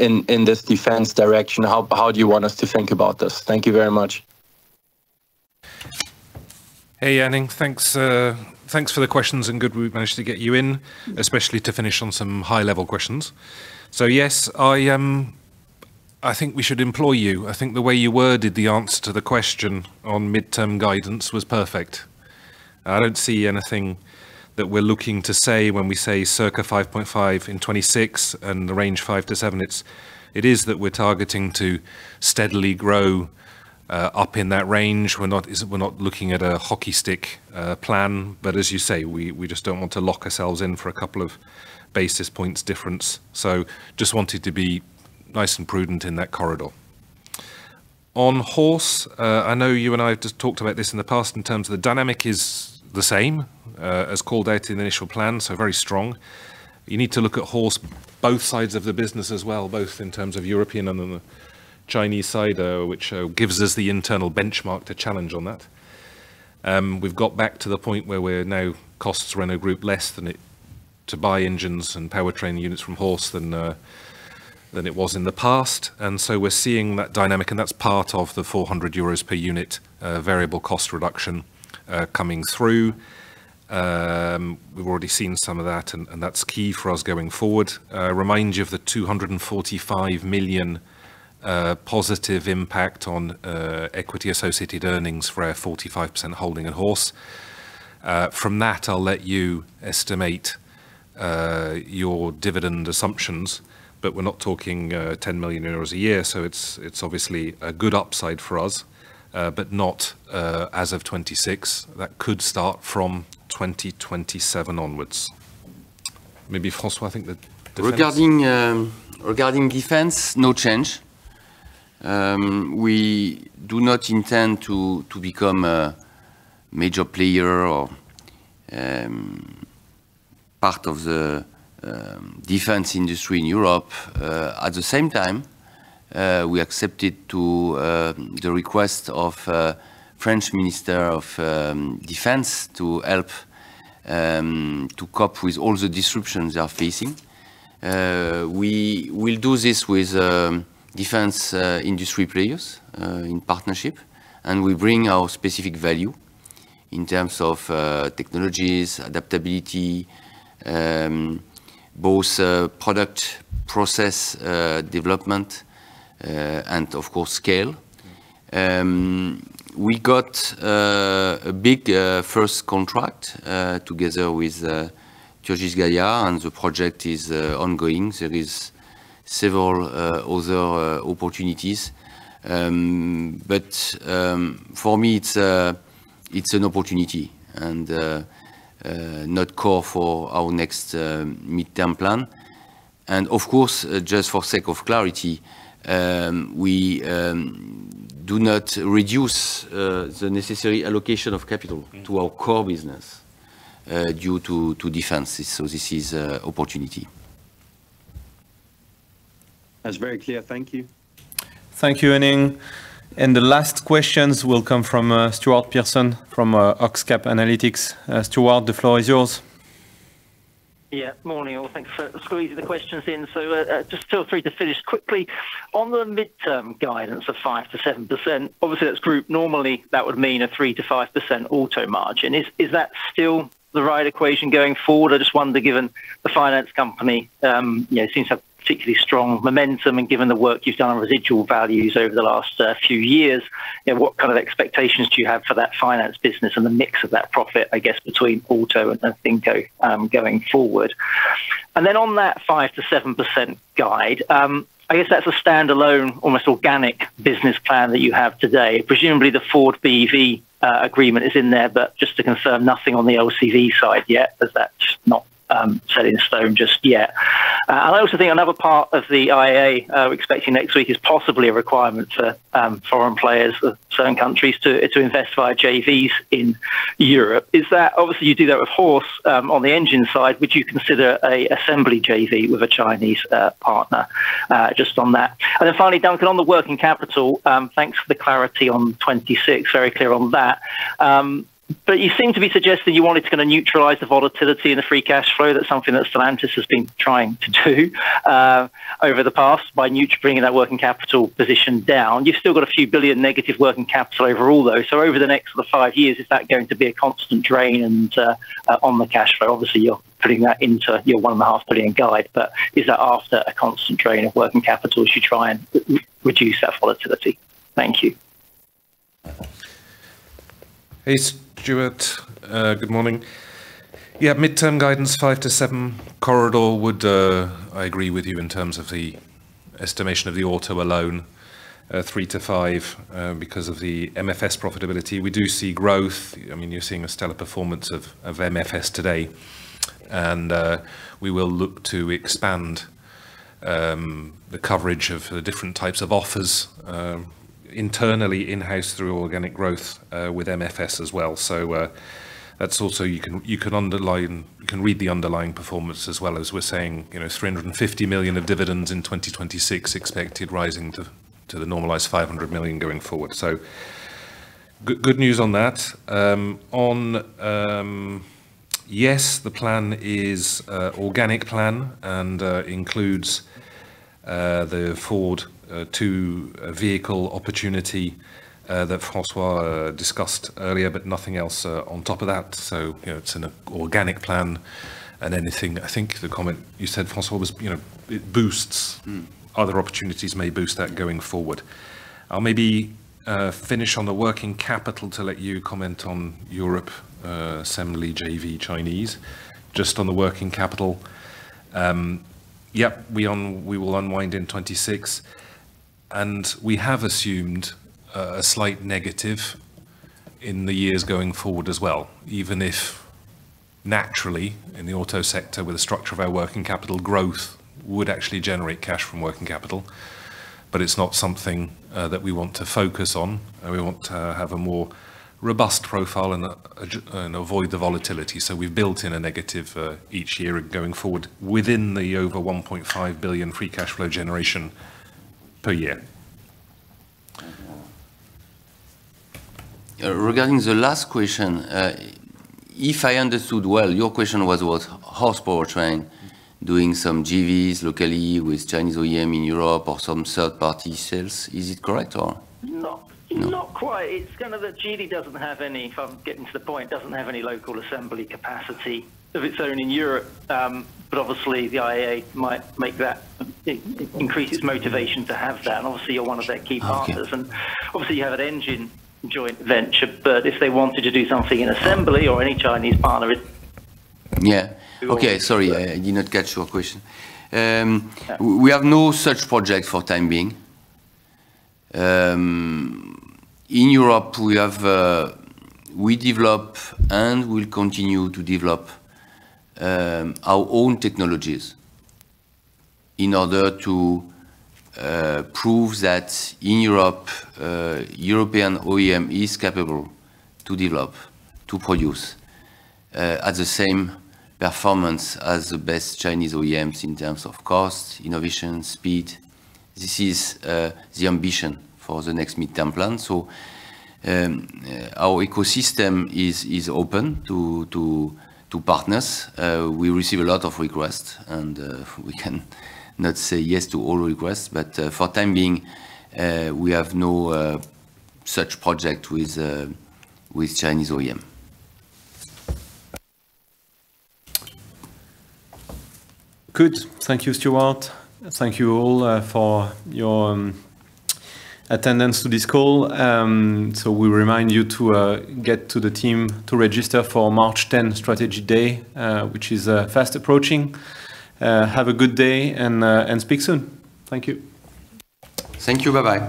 this defense direction? How do you want us to think about this? Thank you very much. Hey, Henning. Thanks, thanks for the questions, and good we managed to get you in, especially to finish on some high-level questions. So yes, I think we should employ you. I think the way you worded the answer to the question on midterm guidance was perfect. I don't see anything that we're looking to say when we say circa 5.5 in 2026 and the range 5-7. It is that we're targeting to steadily grow up in that range. We're not looking at a hockey stick plan, but as you say, we just don't want to lock ourselves in for a couple of basis points difference. So just wanted to be nice and prudent in that corridor. On Horse, I know you and I have just talked about this in the past in terms of the dynamic is the same, as called out in the initial plan, so very strong. You need to look at Horse, both sides of the business as well, both in terms of European and on the Chinese side, which gives us the internal benchmark to challenge on that. We've got back to the point where we're now costs Renault Group less than it to buy engines and powertrain units from Horse than it was in the past. And so we're seeing that dynamic, and that's part of the 400 euros per unit variable cost reduction coming through. We've already seen some of that, and that's key for us going forward. Remind you of the 245 million positive impact on equity associated earnings for our 45% holding at Horse. From that, I'll let you estimate your dividend assumptions, but we're not talking 10 million euros a year, so it's obviously a good upside for us, but not as of 2026. That could start from 2027 onwards. Maybe, François, I think the defense- Regarding defense, no change. We do not intend to become a major player or part of the defense industry in Europe. At the same time, we accepted the request of French Minister of Defense to help to cope with all the disruptions they are facing. We will do this with defense industry players in partnership, and we bring our specific value in terms of technologies, adaptability, both product, process development, and of course, scale. We got a big first contract together with Groupe Gorgé, and the project is ongoing. There is several other opportunities. But for me, it's an opportunity and not core for our next midterm plan. Of course, just for the sake of clarity, we do not reduce the necessary allocation of capital to our core business due to defenses. So this is opportunity. That's very clear. Thank you. Thank you, Henning. The last questions will come from Stuart Pearson from OxCap Analytics. Stuart, the floor is yours. Yeah. Morning, all. Thank you for squeezing the questions in. So, just feel free to finish quickly. On the midterm guidance of 5%-7%, obviously, that's group. Normally, that would mean a 3%-5% auto margin. Is that still the right equation going forward? I just wonder, given the finance company, you know, seems to have particularly strong momentum, and given the work you've done on residual values over the last few years, you know, what kind of expectations do you have for that finance business and the mix of that profit, I guess, between auto and, I think, going forward? And then on that 5%-7% guide, I guess that's a standalone, almost organic business plan that you have today. Presumably, the Ford BEV agreement is in there, but just to confirm, nothing on the OCV side yet, as that's not set in stone just yet. And I also think another part of the IA we're expecting next week is possibly a requirement for foreign players of certain countries to invest via JVs in Europe. Is that—obviously, you do that, of course, on the engine side, would you consider an assembly JV with a Chinese partner just on that? And then finally, Duncan, on the working capital, thanks for the clarity on 26. Very clear on that. But you seem to be suggesting you want it to kinda neutralize the volatility in the free cash flow. That's something that Stellantis has been trying to do over the past by bringing that working capital position down. You've still got a few billion EUR negative working capital overall, though. So over the next five years, is that going to be a constant drain and on the cash flow? Obviously, you're putting that into your 1.5 billion guide, but is that after a constant drain of working capital as you try and reduce that volatility? Thank you.... Hey, Stuart, good morning. Yeah, midterm guidance, 5-7 corridor would, I agree with you in terms of the estimation of the auto alone, 3-5, because of the MFS profitability. We do see growth. I mean, you're seeing a stellar performance of MFS today, and we will look to expand the coverage of the different types of offers internally in-house through organic growth with MFS as well. So, that's also you can underline - you can read the underlying performance as well as we're saying, you know, 350 million of dividends in 2026, expected rising to the normalized 500 million going forward. So good news on that. Yes, the plan is an organic plan and includes the Ford two vehicle opportunity that François discussed earlier, but nothing else on top of that. So, you know, it's an organic plan, and anything... I think the comment you said, François, was, you know, it boosts- Mm. Other opportunities may boost that going forward. I'll maybe finish on the working capital to let you comment on Europe, assembly, JV, Chinese. Just on the working capital, yep, we will unwind in 2026, and we have assumed a slight negative in the years going forward as well, even if naturally, in the auto sector, with the structure of our working capital, growth would actually generate cash from working capital. But it's not something that we want to focus on, and we want to have a more robust profile and avoid the volatility. So we've built in a negative each year going forward within the over $1.5 billion free cash flow generation per year. Regarding the last question, if I understood well, your question was Horse Powertrain doing some JVs locally with Chinese OEM in Europe or some third-party sales. Is it correct or- Not, not quite. No. If I'm getting to the point have any local assembly capacity of its own in Europe. But obviously, the IA might make that increase its motivation- Mm to have that, and obviously, you're one of their key partners. Okay. Obviously, you have an engine joint venture, but if they wanted to do something in assembly or any Chinese partner, it- Yeah. Okay, sorry, I did not catch your question. We have no such project for time being. In Europe, we have, we develop and will continue to develop, our own technologies in order to, prove that in Europe, European OEM is capable to develop, to produce, at the same performance as the best Chinese OEMs in terms of cost, innovation, speed. This is, the ambition for the next midterm plan. So, our ecosystem is, is open to, to, to partners. We receive a lot of requests, and, we can not say yes to all requests, but, for time being, we have no, such project with, with Chinese OEM. Good. Thank you, Stuart. Thank you all for your attendance to this call. So we remind you to get to the team to register for March 10 Strategy Day, which is fast approaching. Have a good day and speak soon. Thank you. Thank you. Bye-bye.